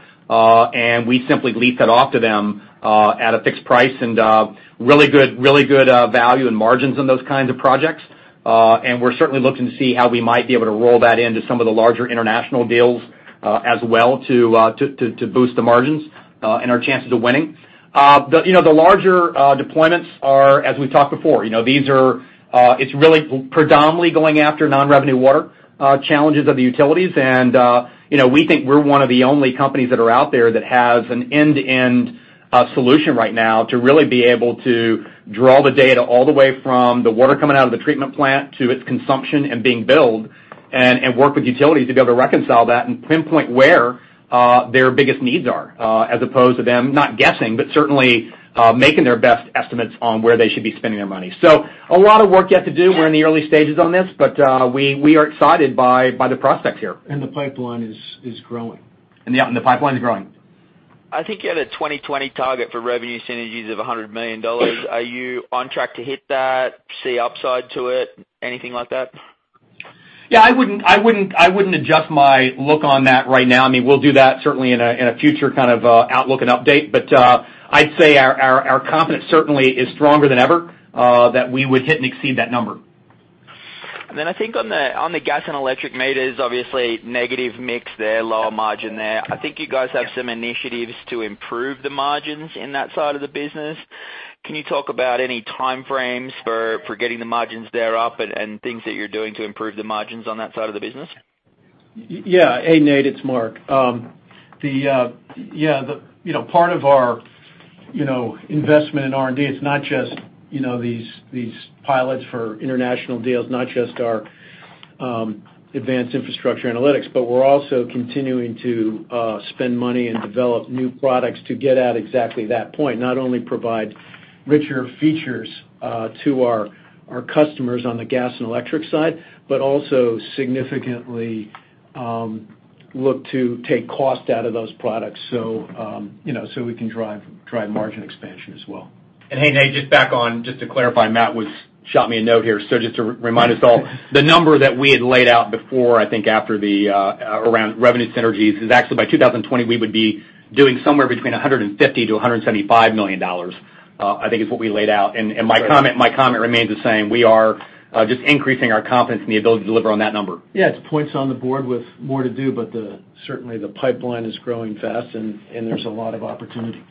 We simply lease that off to them at a fixed price and really good value and margins on those kinds of projects. We're certainly looking to see how we might be able to roll that into some of the larger international deals as well to boost the margins and our chances of winning. The larger deployments are, as we've talked before, it's really predominantly going after non-revenue water challenges of the utilities, and we think we're one of the only companies that are out there that has an end-to-end solution right now to really be able to draw the data all the way from the water coming out of the treatment plant to its consumption and being billed, and work with utilities to be able to reconcile that and pinpoint where their biggest needs are, as opposed to them not guessing, but certainly making their best estimates on where they should be spending their money. A lot of work yet to do. We're in the early stages on this, we are excited by the prospects here. The pipeline is growing. The pipeline is growing. I think you had a 2020 target for revenue synergies of $100 million. Are you on track to hit that? See upside to it? Anything like that? Yeah. I wouldn't adjust my look on that right now. We'll do that certainly in a future kind of outlook and update. I'd say our confidence certainly is stronger than ever that we would hit and exceed that number. I think on the gas and electric meters, obviously, negative mix there, lower margin there. I think you guys have some initiatives to improve the margins in that side of the business. Can you talk about any time frames for getting the margins there up and things that you're doing to improve the margins on that side of the business? Yeah. Hey, Nate, it's Mark. Part of our investment in R&D, it's not just these pilots for international deals, not just our Advanced Infrastructure Analytics, but we're also continuing to spend money and develop new products to get at exactly that point. Not only provide richer features to our customers on the gas and electric side, but also significantly look to take cost out of those products so we can drive margin expansion as well. Hey, Nate, just back on, just to clarify, Matt shot me a note here. Just to remind us all, the number that we had laid out before, I think around revenue synergies, is actually by 2020, we would be doing somewhere between $150 million-$175 million, I think is what we laid out. My comment remains the same. We are just increasing our confidence in the ability to deliver on that number. Yeah. It's points on the board with more to do, but certainly the pipeline is growing fast and there's a lot of opportunity.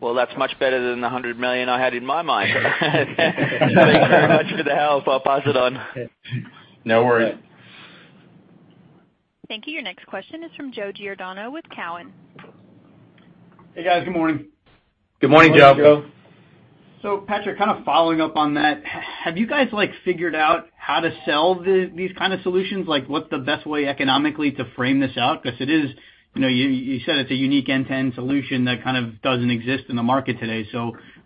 Well, that's much better than the $100 million I had in my mind. Thanks very much for the help. I'll pass it on. No worry. Thank you. Your next question is from Joseph Giordano with Cowen. Hey, guys. Good morning. Good morning, Joe. Good morning, Joe. Patrick, kind of following up on that, have you guys figured out how to sell these kind of solutions? Like, what's the best way economically to frame this out? You said it's a unique end-to-end solution that kind of doesn't exist in the market today.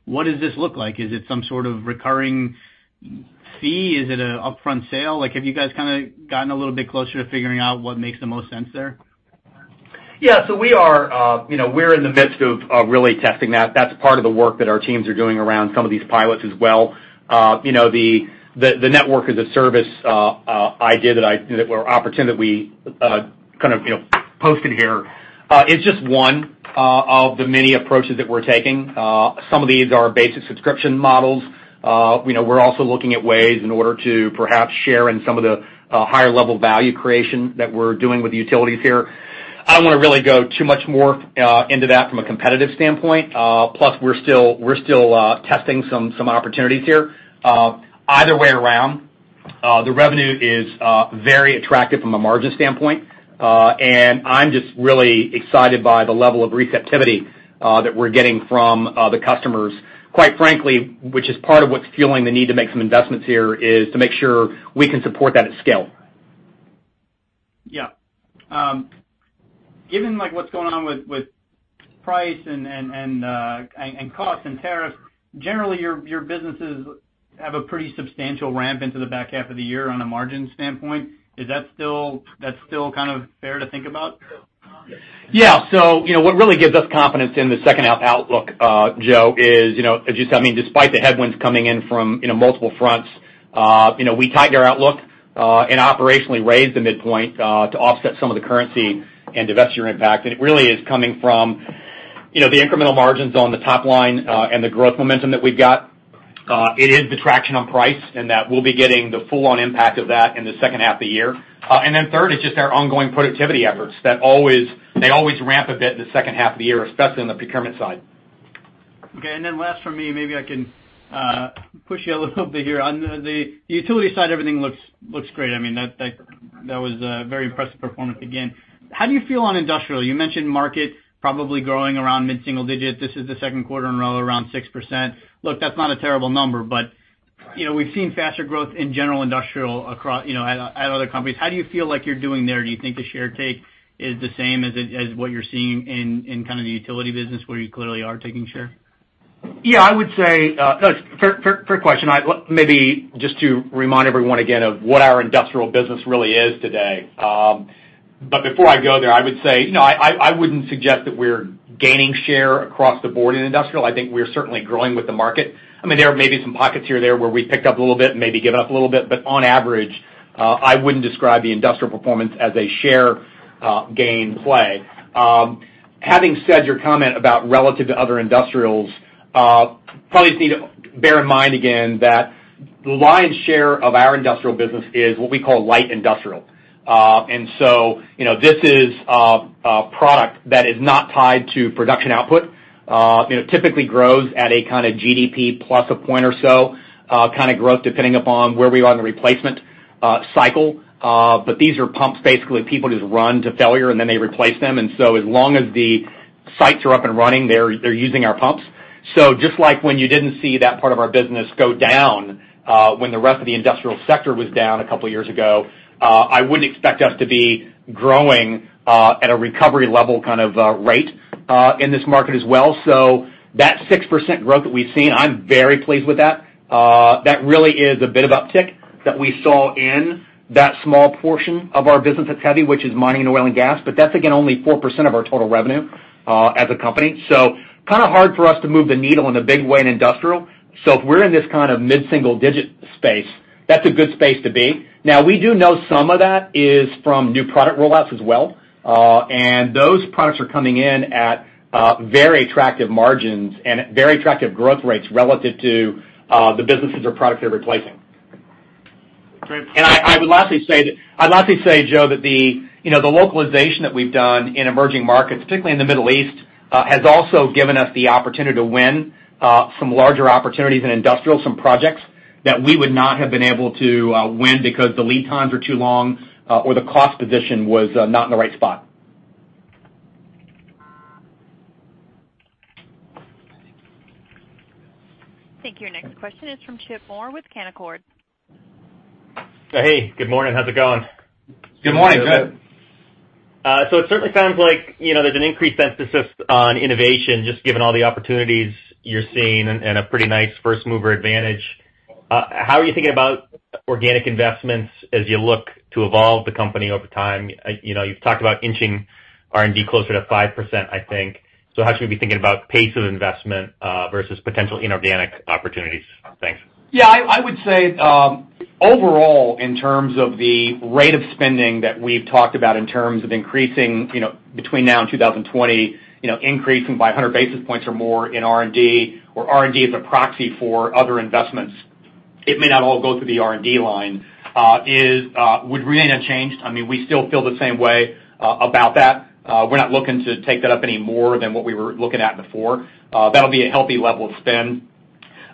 What does this look like? Is it some sort of recurring fee? Is it an upfront sale? Have you guys gotten a little bit closer to figuring out what makes the most sense there? Yeah, we're in the midst of really testing that. That's part of the work that our teams are doing around some of these pilots as well. The Network as a Service idea or opportunity that we kind of posted here, is just one of the many approaches that we're taking. Some of these are basic subscription models. We're also looking at ways in order to perhaps share in some of the higher-level value creation that we're doing with the utilities here. I don't want to really go too much more into that from a competitive standpoint. Plus, we're still testing some opportunities here. Either way around, the revenue is very attractive from a margin standpoint. I'm just really excited by the level of receptivity that we're getting from the customers. Quite frankly, which is part of what's fueling the need to make some investments here, is to make sure we can support that at scale. Given what's going on with price and cost and tariffs, generally, your businesses have a pretty substantial ramp into the back half of the year on a margin standpoint. Is that still kind of fair to think about? What really gives us confidence in the second half outlook, Joe, is despite the headwinds coming in from multiple fronts, we tightened our outlook and operationally raised the midpoint to offset some of the currency and divestiture impact. It really is coming from the incremental margins on the top line and the growth momentum that we've got. It is the traction on price, and that we'll be getting the full-on impact of that in the second half of the year. Third is just our ongoing productivity efforts. They always ramp a bit in the second half of the year, especially on the procurement side. Last from me, maybe I can push you a little bit here. On the utility side, everything looks great. That was a very impressive performance, again. How do you feel on industrial? You mentioned market probably growing around mid-single digit. This is the second quarter in a row around 6%. Look, that's not a terrible number, but we've seen faster growth in general industrial at other companies. How do you feel like you're doing there? Do you think the share take is the same as what you're seeing in kind of the utility business where you clearly are taking share? Fair question. Maybe just to remind everyone again of what our industrial business really is today. Before I go there, I would say, I wouldn't suggest that we're gaining share across the board in industrial. I think we're certainly growing with the market. There are maybe some pockets here or there where we picked up a little bit and maybe given up a little bit. On average, I wouldn't describe the industrial performance as a share gain play. Having said your comment about relative to other industrials, probably just need to bear in mind again that the lion's share of our industrial business is what we call light industrial. This is a product that is not tied to production output. It typically grows at a kind of GDP plus a point or so kind of growth, depending upon where we are in the replacement cycle. These are pumps, basically, people just run to failure and then they replace them. As long as the sites are up and running, they're using our pumps. Just like when you didn't see that part of our business go down when the rest of the industrial sector was down a couple of years ago, I wouldn't expect us to be growing at a recovery level kind of rate in this market as well. That 6% growth that we've seen, I'm very pleased with that. That really is a bit of uptick that we saw in that small portion of our business that's heavy, which is mining and oil and gas. That's, again, only 4% of our total revenue, as a company. Kind of hard for us to move the needle in a big way in industrial. If we're in this kind of mid-single digit space, that's a good space to be. Now, we do know some of that is from new product rollouts as well. Those products are coming in at very attractive margins and at very attractive growth rates relative to the businesses or products they're replacing. Great. I'd lastly say, Joe, that the localization that we've done in emerging markets, particularly in the Middle East, has also given us the opportunity to win some larger opportunities in industrial, some projects that we would not have been able to win because the lead times were too long or the cost position was not in the right spot. Thank you. Your next question is from Chip Moore with Canaccord. Hey, good morning. How's it going? Good morning, Chip. It certainly sounds like there's an increased emphasis on innovation, just given all the opportunities you're seeing and a pretty nice first-mover advantage. How are you thinking about organic investments as you look to evolve the company over time? You've talked about inching R&D closer to 5%, I think. How should we be thinking about pace of investment versus potential inorganic opportunities? Thanks. Yeah, I would say, overall, in terms of the rate of spending that we've talked about in terms of increasing between now and 2020, increasing by 100 basis points or more in R&D or R&D as a proxy for other investments, it may not all go through the R&D line, would really have changed. We still feel the same way about that. We're not looking to take that up any more than what we were looking at before. That'll be a healthy level of spend,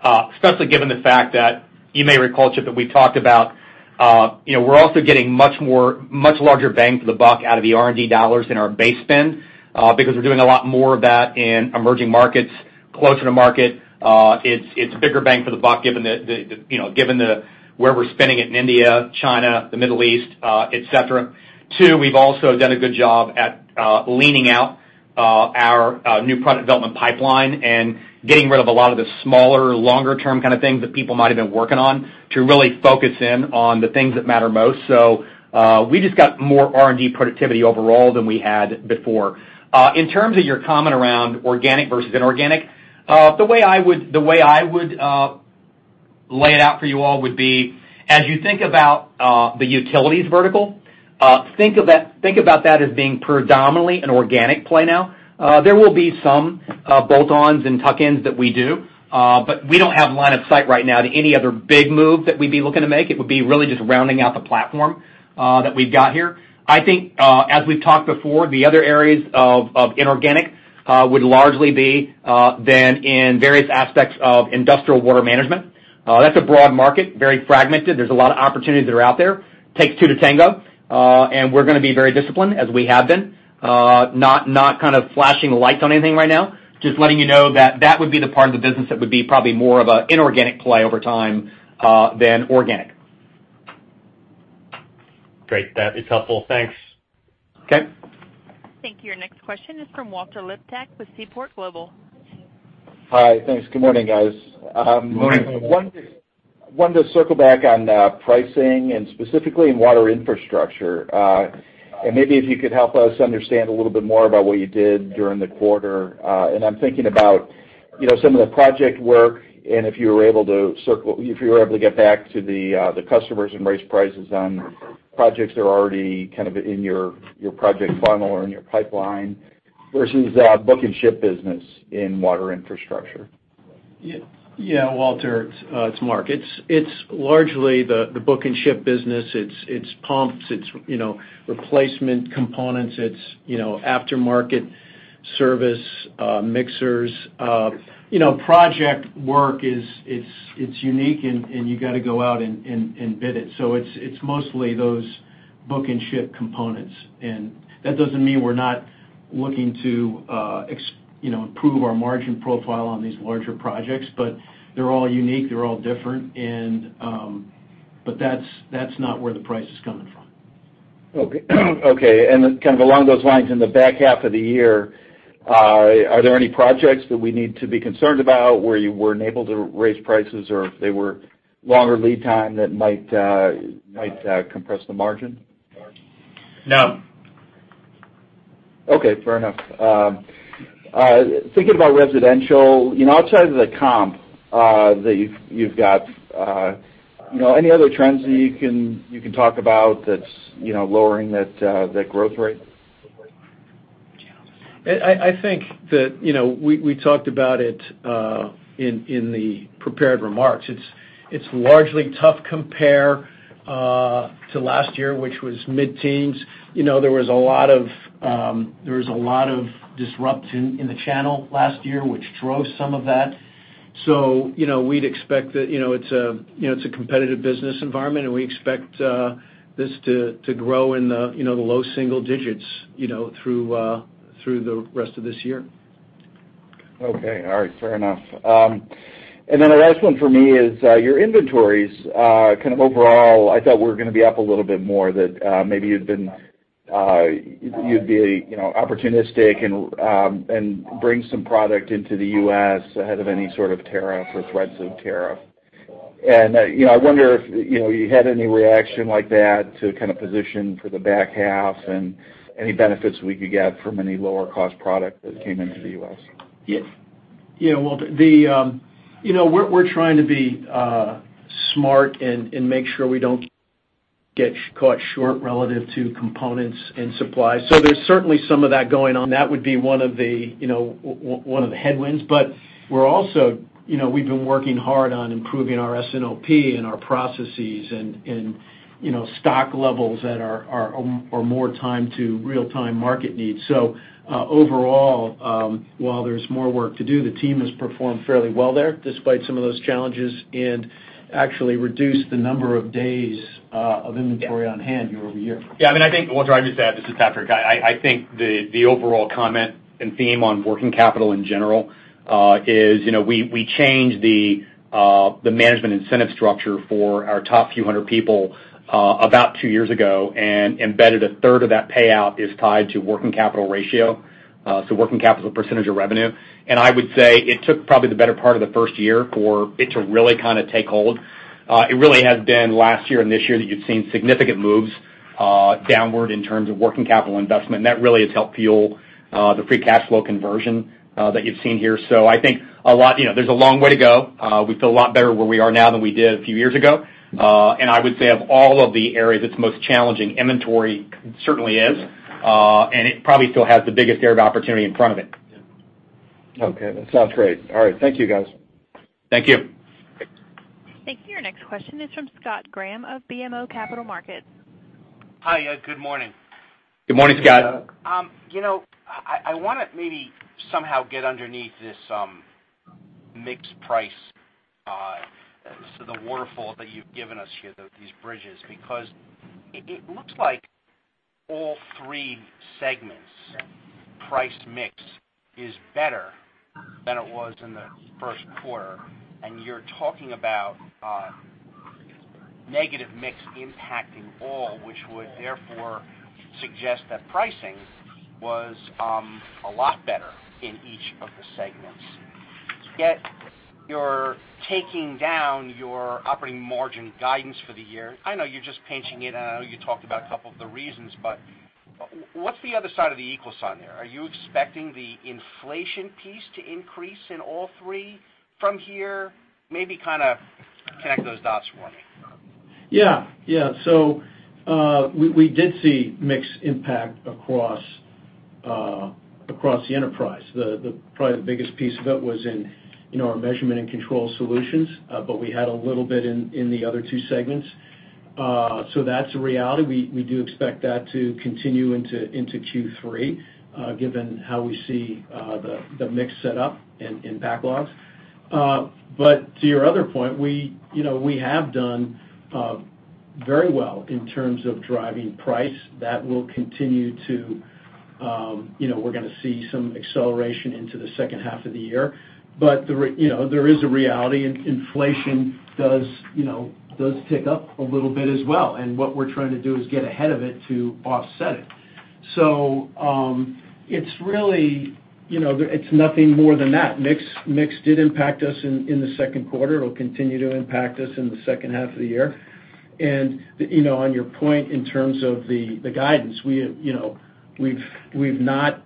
especially given the fact that you may recall, Chip, that we talked about we're also getting much larger bang for the buck out of the R&D dollars in our base spend because we're doing a lot more of that in emerging markets closer to market. It's bigger bang for the buck given where we're spending it in India, China, the Middle East, et cetera. Two, we've also done a good job at leaning out our new product development pipeline and getting rid of a lot of the smaller, longer-term kind of things that people might have been working on to really focus in on the things that matter most. We just got more R&D productivity overall than we had before. In terms of your comment around organic versus inorganic, the way I would lay it out for you all would be, as you think about the utilities vertical, think about that as being predominantly an organic play now. There will be some bolt-ons and tuck-ins that we do. We don't have line of sight right now to any other big move that we'd be looking to make. It would be really just rounding out the platform that we've got here. I think, as we've talked before, the other areas of inorganic would largely be then in various aspects of industrial water management. That's a broad market, very fragmented. There's a lot of opportunities that are out there. Takes two to tango. We're going to be very disciplined as we have been. Not kind of flashing lights on anything right now. Just letting you know that that would be the part of the business that would be probably more of an inorganic play over time than organic. Great. That is helpful. Thanks. Okay. Thank you. Your next question is from Walter Liptak with Seaport Global. Hi. Thanks. Good morning, guys. Good morning. Maybe if you could help us understand a little bit more about what you did during the quarter. I'm thinking about some of the project work and if you were able to get back to the customers and raise prices on projects that are already kind of in your project funnel or in your pipeline versus book and ship business in Water Infrastructure. Yeah, Walter. It's Mark. It's largely the book and ship business. It's pumps, it's replacement components, it's aftermarket service mixers. Project work it's unique and you got to go out and bid it. It's mostly those book and ship components. That doesn't mean we're not looking to improve our margin profile on these larger projects, but they're all unique, they're all different. That's not where the price is coming from. Okay. Then kind of along those lines, in the back half of the year, are there any projects that we need to be concerned about where you weren't able to raise prices or if they were longer lead time that might compress the margin? No. Okay, fair enough. Thinking about residential, outside of the comp, that you've got any other trends that you can talk about that's lowering that growth rate? I think that we talked about it in the prepared remarks. It's largely tough compare to last year, which was mid-teens. There was a lot of disruption in the channel last year, which drove some of that. We'd expect that it's a competitive business environment, and we expect this to grow in the low single digits through the rest of this year. Okay. All right. Fair enough. Then the last one for me is your inventories, kind of overall, I thought were going to be up a little bit more, that maybe you'd be opportunistic and bring some product into the U.S. ahead of any sort of tariff or threats of tariff. I wonder if you had any reaction like that to kind of position for the back half and any benefits we could get from any lower cost product that came into the U.S. Yeah. We're trying to be smart and make sure we don't get caught short relative to components and supplies. There's certainly some of that going on. That would be one of the headwinds, but we've been working hard on improving our S&OP and our processes and stock levels that are more time to real-time market needs. Overall, while there's more work to do, the team has performed fairly well there despite some of those challenges, and actually reduced the number of days of inventory on hand year-over-year. Yeah, I think, what I'd just add, this is Patrick. I think the overall comment and theme on working capital in general is we changed the management incentive structure for our top few hundred people about two years ago and embedded a third of that payout is tied to working capital ratio, so working capital percentage of revenue. I would say it took probably the better part of the first year for it to really kind of take hold. It really has been last year and this year that you've seen significant moves downward in terms of working capital investment, and that really has helped fuel the free cash flow conversion that you've seen here. I think there's a long way to go. We feel a lot better where we are now than we did a few years ago. I would say of all of the areas it's most challenging, inventory certainly is. It probably still has the biggest area of opportunity in front of it. Okay. That sounds great. All right. Thank you guys. Thank you. Thank you. Your next question is from Scott Graham of BMO Capital Markets. Hi. Good morning. Good morning, Scott. Good morning. I want to maybe somehow get underneath this mix price. The waterfall that you've given us here, these bridges, because it looks like all three segments' price mix is better than it was in the first quarter, and you're talking about negative mix impacting all, which would therefore suggest that pricing was a lot better in each of the segments. You're taking down your operating margin guidance for the year. I know you're just pinching it, and I know you talked about a couple of the reasons, what's the other side of the equal sign there? Are you expecting the inflation piece to increase in all three from here? Maybe kind of connect those dots for me. We did see mix impact across the enterprise. Probably the biggest piece of it was in our Measurement & Control Solutions, we had a little bit in the other two segments. That's a reality. We do expect that to continue into Q3, given how we see the mix set up in backlogs. To your other point, we have done very well in terms of driving price. We're going to see some acceleration into the second half of the year. There is a reality. Inflation does tick up a little bit as well, and what we're trying to do is get ahead of it to offset it. It's nothing more than that. Mix did impact us in the second quarter. It'll continue to impact us in the second half of the year. On your point in terms of the guidance, we've not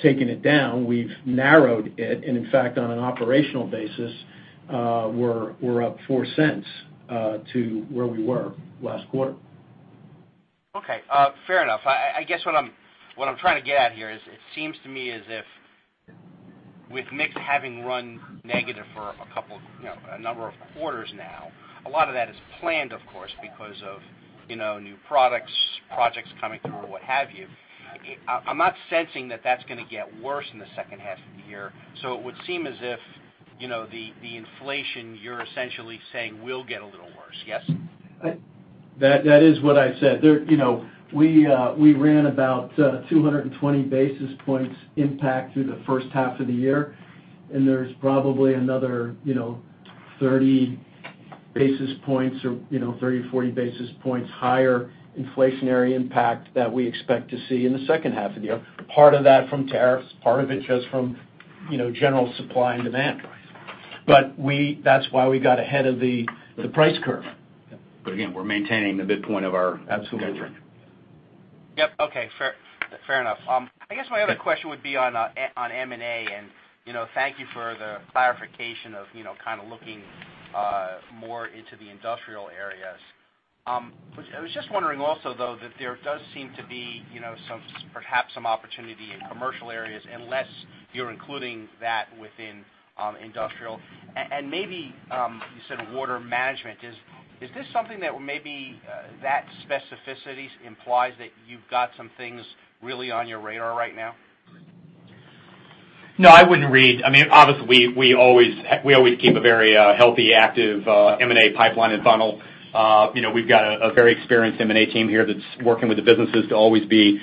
taken it down. We've narrowed it, and in fact, on an operational basis, we're up $0.04 to where we were last quarter. Okay. Fair enough. I guess what I'm trying to get at here is it seems to me as if with mix having run negative for a number of quarters now, a lot of that is planned, of course, because of new products, projects coming through or what have you. I'm not sensing that that's going to get worse in the second half of the year. It would seem as if the inflation you're essentially saying will get a little worse, yes? That is what I said. We ran about 220 basis points impact through the first half of the year, and there's probably another 30 basis points or 30 to 40 basis points higher inflationary impact that we expect to see in the second half of the year. Part of that from tariffs, part of it just from general supply and demand. That's why we got ahead of the price curve. Again, we're maintaining the midpoint of our- Absolutely guidance. Yep. Okay. Fair enough. I guess my other question would be on M&A, and thank you for the clarification of kind of looking more into the industrial areas. I was just wondering also though that there does seem to be perhaps some opportunity in commercial areas unless you're including that within industrial. Maybe, you said water management. Is this something that specificity implies that you've got some things really on your radar right now? No, I wouldn't read. Obviously, we always keep a very healthy, active M&A pipeline and funnel. We've got a very experienced M&A team here that's working with the businesses to always be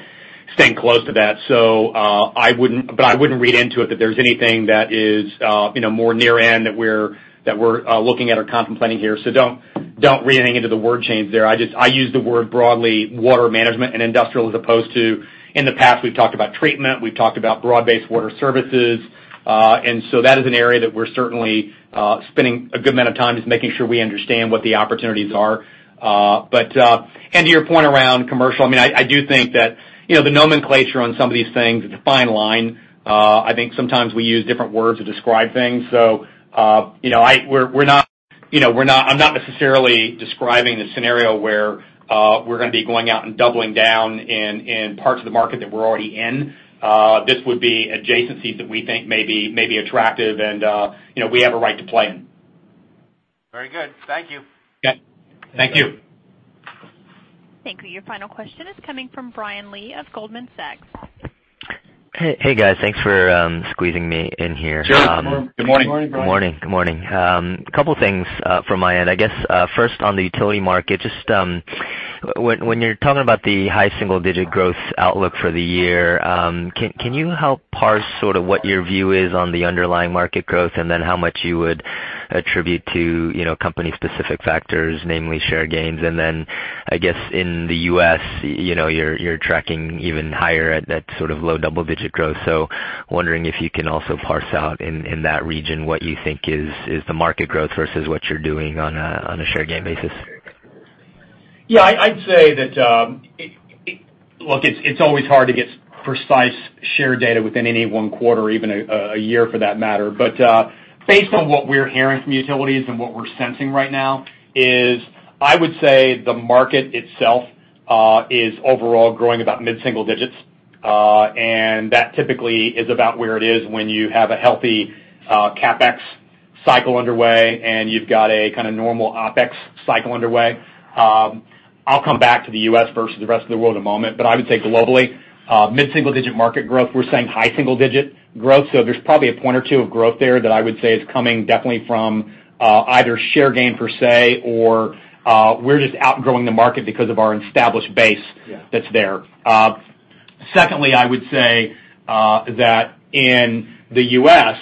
staying close to that. I wouldn't read into it that there's anything that is more near end that we're looking at or contemplating here. Don't read anything into the word change there. I use the word broadly, water management and industrial, as opposed to in the past, we've talked about treatment, we've talked about broad-based water services. That is an area that we're certainly spending a good amount of time, just making sure we understand what the opportunities are. To your point around commercial, I do think that the nomenclature on some of these things, it's a fine line. I think sometimes we use different words to describe things. I'm not necessarily describing the scenario where we're going to be going out and doubling down in parts of the market that we're already in. This would be adjacencies that we think may be attractive and we have a right to play in. Very good. Thank you. Okay. Thank you. Thank you. Your final question is coming from Brian Lee of Goldman Sachs. Hey, guys. Thanks for squeezing me in here. Sure. Good morning. Good morning, Brian. Good morning. A couple of things from my end. I guess, first on the utility market, just when you're talking about the high single-digit growth outlook for the year, can you help parse sort of what your view is on the underlying market growth, and then how much you would attribute to company-specific factors, namely share gains? I guess in the U.S., you're tracking even higher at that sort of low double-digit growth. Wondering if you can also parse out in that region, what you think is the market growth versus what you're doing on a share gain basis. Yeah. I'd say that, look, it's always hard to get precise share data within any one quarter or even a year for that matter. Based on what we're hearing from utilities and what we're sensing right now is, I would say the market itself is overall growing about mid-single digits. That typically is about where it is when you have a healthy CapEx cycle underway and you've got a kind of normal OpEx cycle underway. I'll come back to the U.S. versus the rest of the world in a moment. I would say globally, mid-single digit market growth. We're saying high single-digit growth. There's probably a point or two of growth there that I would say is coming definitely from either share gain per se, or we're just outgrowing the market because of our established base that's there. Yeah. Secondly, I would say that in the U.S.,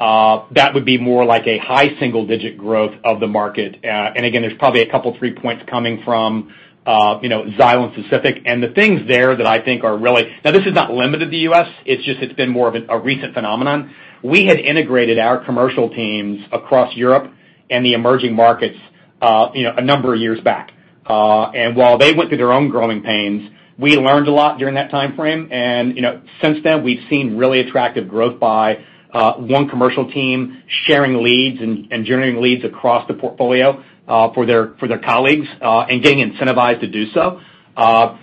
that would be more like a high single-digit growth of the market. Again, there's probably a couple of three points coming from Xylem specific. The things there that I think are really, now, this is not limited to the U.S., it's just it's been more of a recent phenomenon. We had integrated our commercial teams across Europe and the emerging markets a number of years back. While they went through their own growing pains, we learned a lot during that timeframe. Since then, we've seen really attractive growth by one commercial team sharing leads and generating leads across the portfolio for their colleagues, and getting incentivized to do so.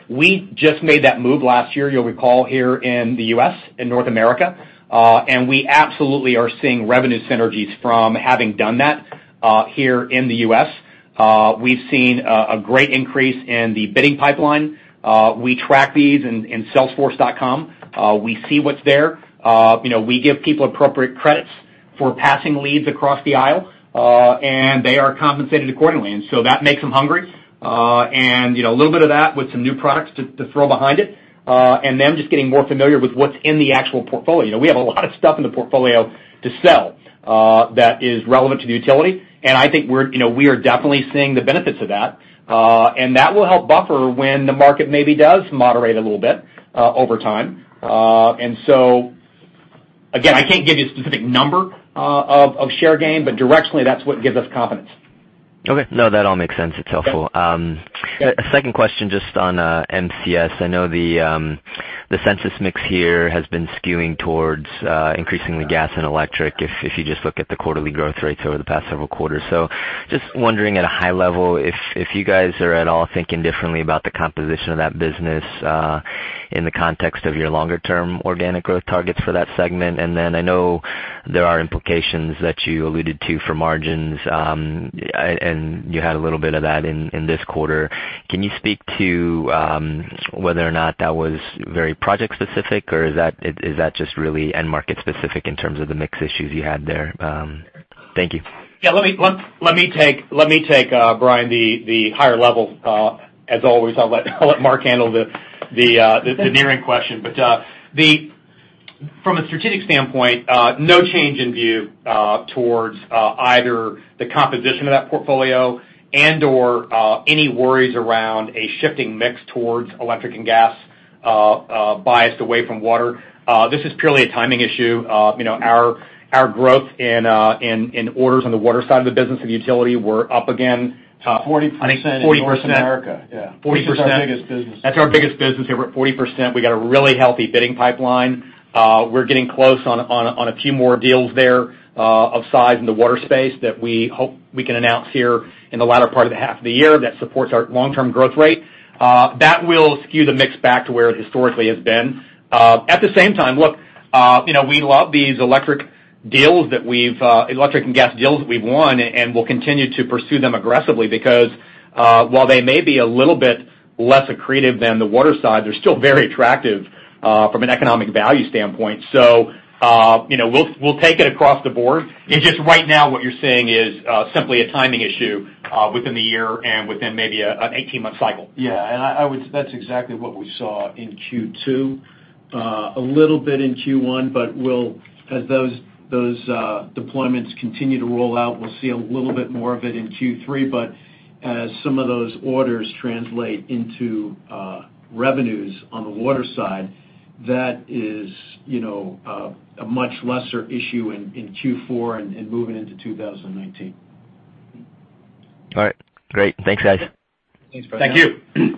We just made that move last year, you'll recall here in the U.S., in North America. We absolutely are seeing revenue synergies from having done that here in the U.S. We've seen a great increase in the bidding pipeline. We track these in Salesforce.com. We see what's there. We give people appropriate credits for passing leads across the aisle, and they are compensated accordingly. That makes them hungry. A little bit of that with some new products to throw behind it, and them just getting more familiar with what's in the actual portfolio. We have a lot of stuff in the portfolio to sell that is relevant to the utility, and I think we are definitely seeing the benefits of that. That will help buffer when the market maybe does moderate a little bit over time. Again, I can't give you a specific number of share gain, but directionally, that's what gives us confidence. Okay. That all makes sense. It's helpful. Okay. A second question, just on MCS. I know the Sensus mix here has been skewing towards increasing the gas and electric, if you just look at the quarterly growth rates over the past several quarters. Just wondering at a high level, if you guys are at all thinking differently about the composition of that business in the context of your longer-term organic growth targets for that segment. Then I know there are implications that you alluded to for margins, and you had a little bit of that in this quarter. Can you speak to whether or not that was very project specific, or is that just really end market specific in terms of the mix issues you had there? Thank you. Yeah. Let me take, Brian, the higher level. As always, I'll let Mark handle the margin question. From a strategic standpoint, no change in view towards either the composition of that portfolio and/or any worries around a shifting mix towards electric and gas biased away from water. This is purely a timing issue. Our growth in orders on the water side of the business and utility were up again- 40% in North America. 40%. Yeah. 40%. This is our biggest business. That's our biggest business. We're up 40%. We got a really healthy bidding pipeline. We're getting close on a few more deals there of size in the water space that we hope we can announce here in the latter part of the half of the year that supports our long-term growth rate. That will skew the mix back to where it historically has been. At the same time, look, we love these electric and gas deals that we've won and will continue to pursue them aggressively because while they may be a little bit less accretive than the water side, they're still very attractive from an economic value standpoint. We'll take it across the board. It's just right now what you're seeing is simply a timing issue within the year and within maybe an 18-month cycle. Yeah. That's exactly what we saw in Q2. A little bit in Q1, as those deployments continue to roll out, we'll see a little bit more of it in Q3. As some of those orders translate into revenues on the water side, that is a much lesser issue in Q4 and moving into 2019. All right. Great. Thanks, guys. Thanks, Brian. Thank you.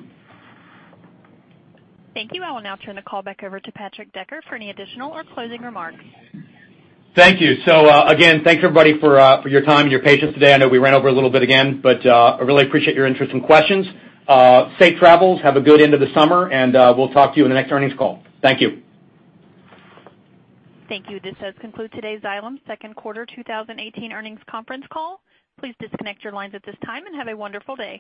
Thank you. I will now turn the call back over to Patrick Decker for any additional or closing remarks. Thank you. Again, thanks everybody for your time and your patience today. I know we ran over a little bit again, but I really appreciate your interest and questions. Safe travels. Have a good end of the summer, and we'll talk to you in the next earnings call. Thank you. Thank you. This does conclude today's Xylem second quarter 2018 earnings conference call. Please disconnect your lines at this time and have a wonderful day.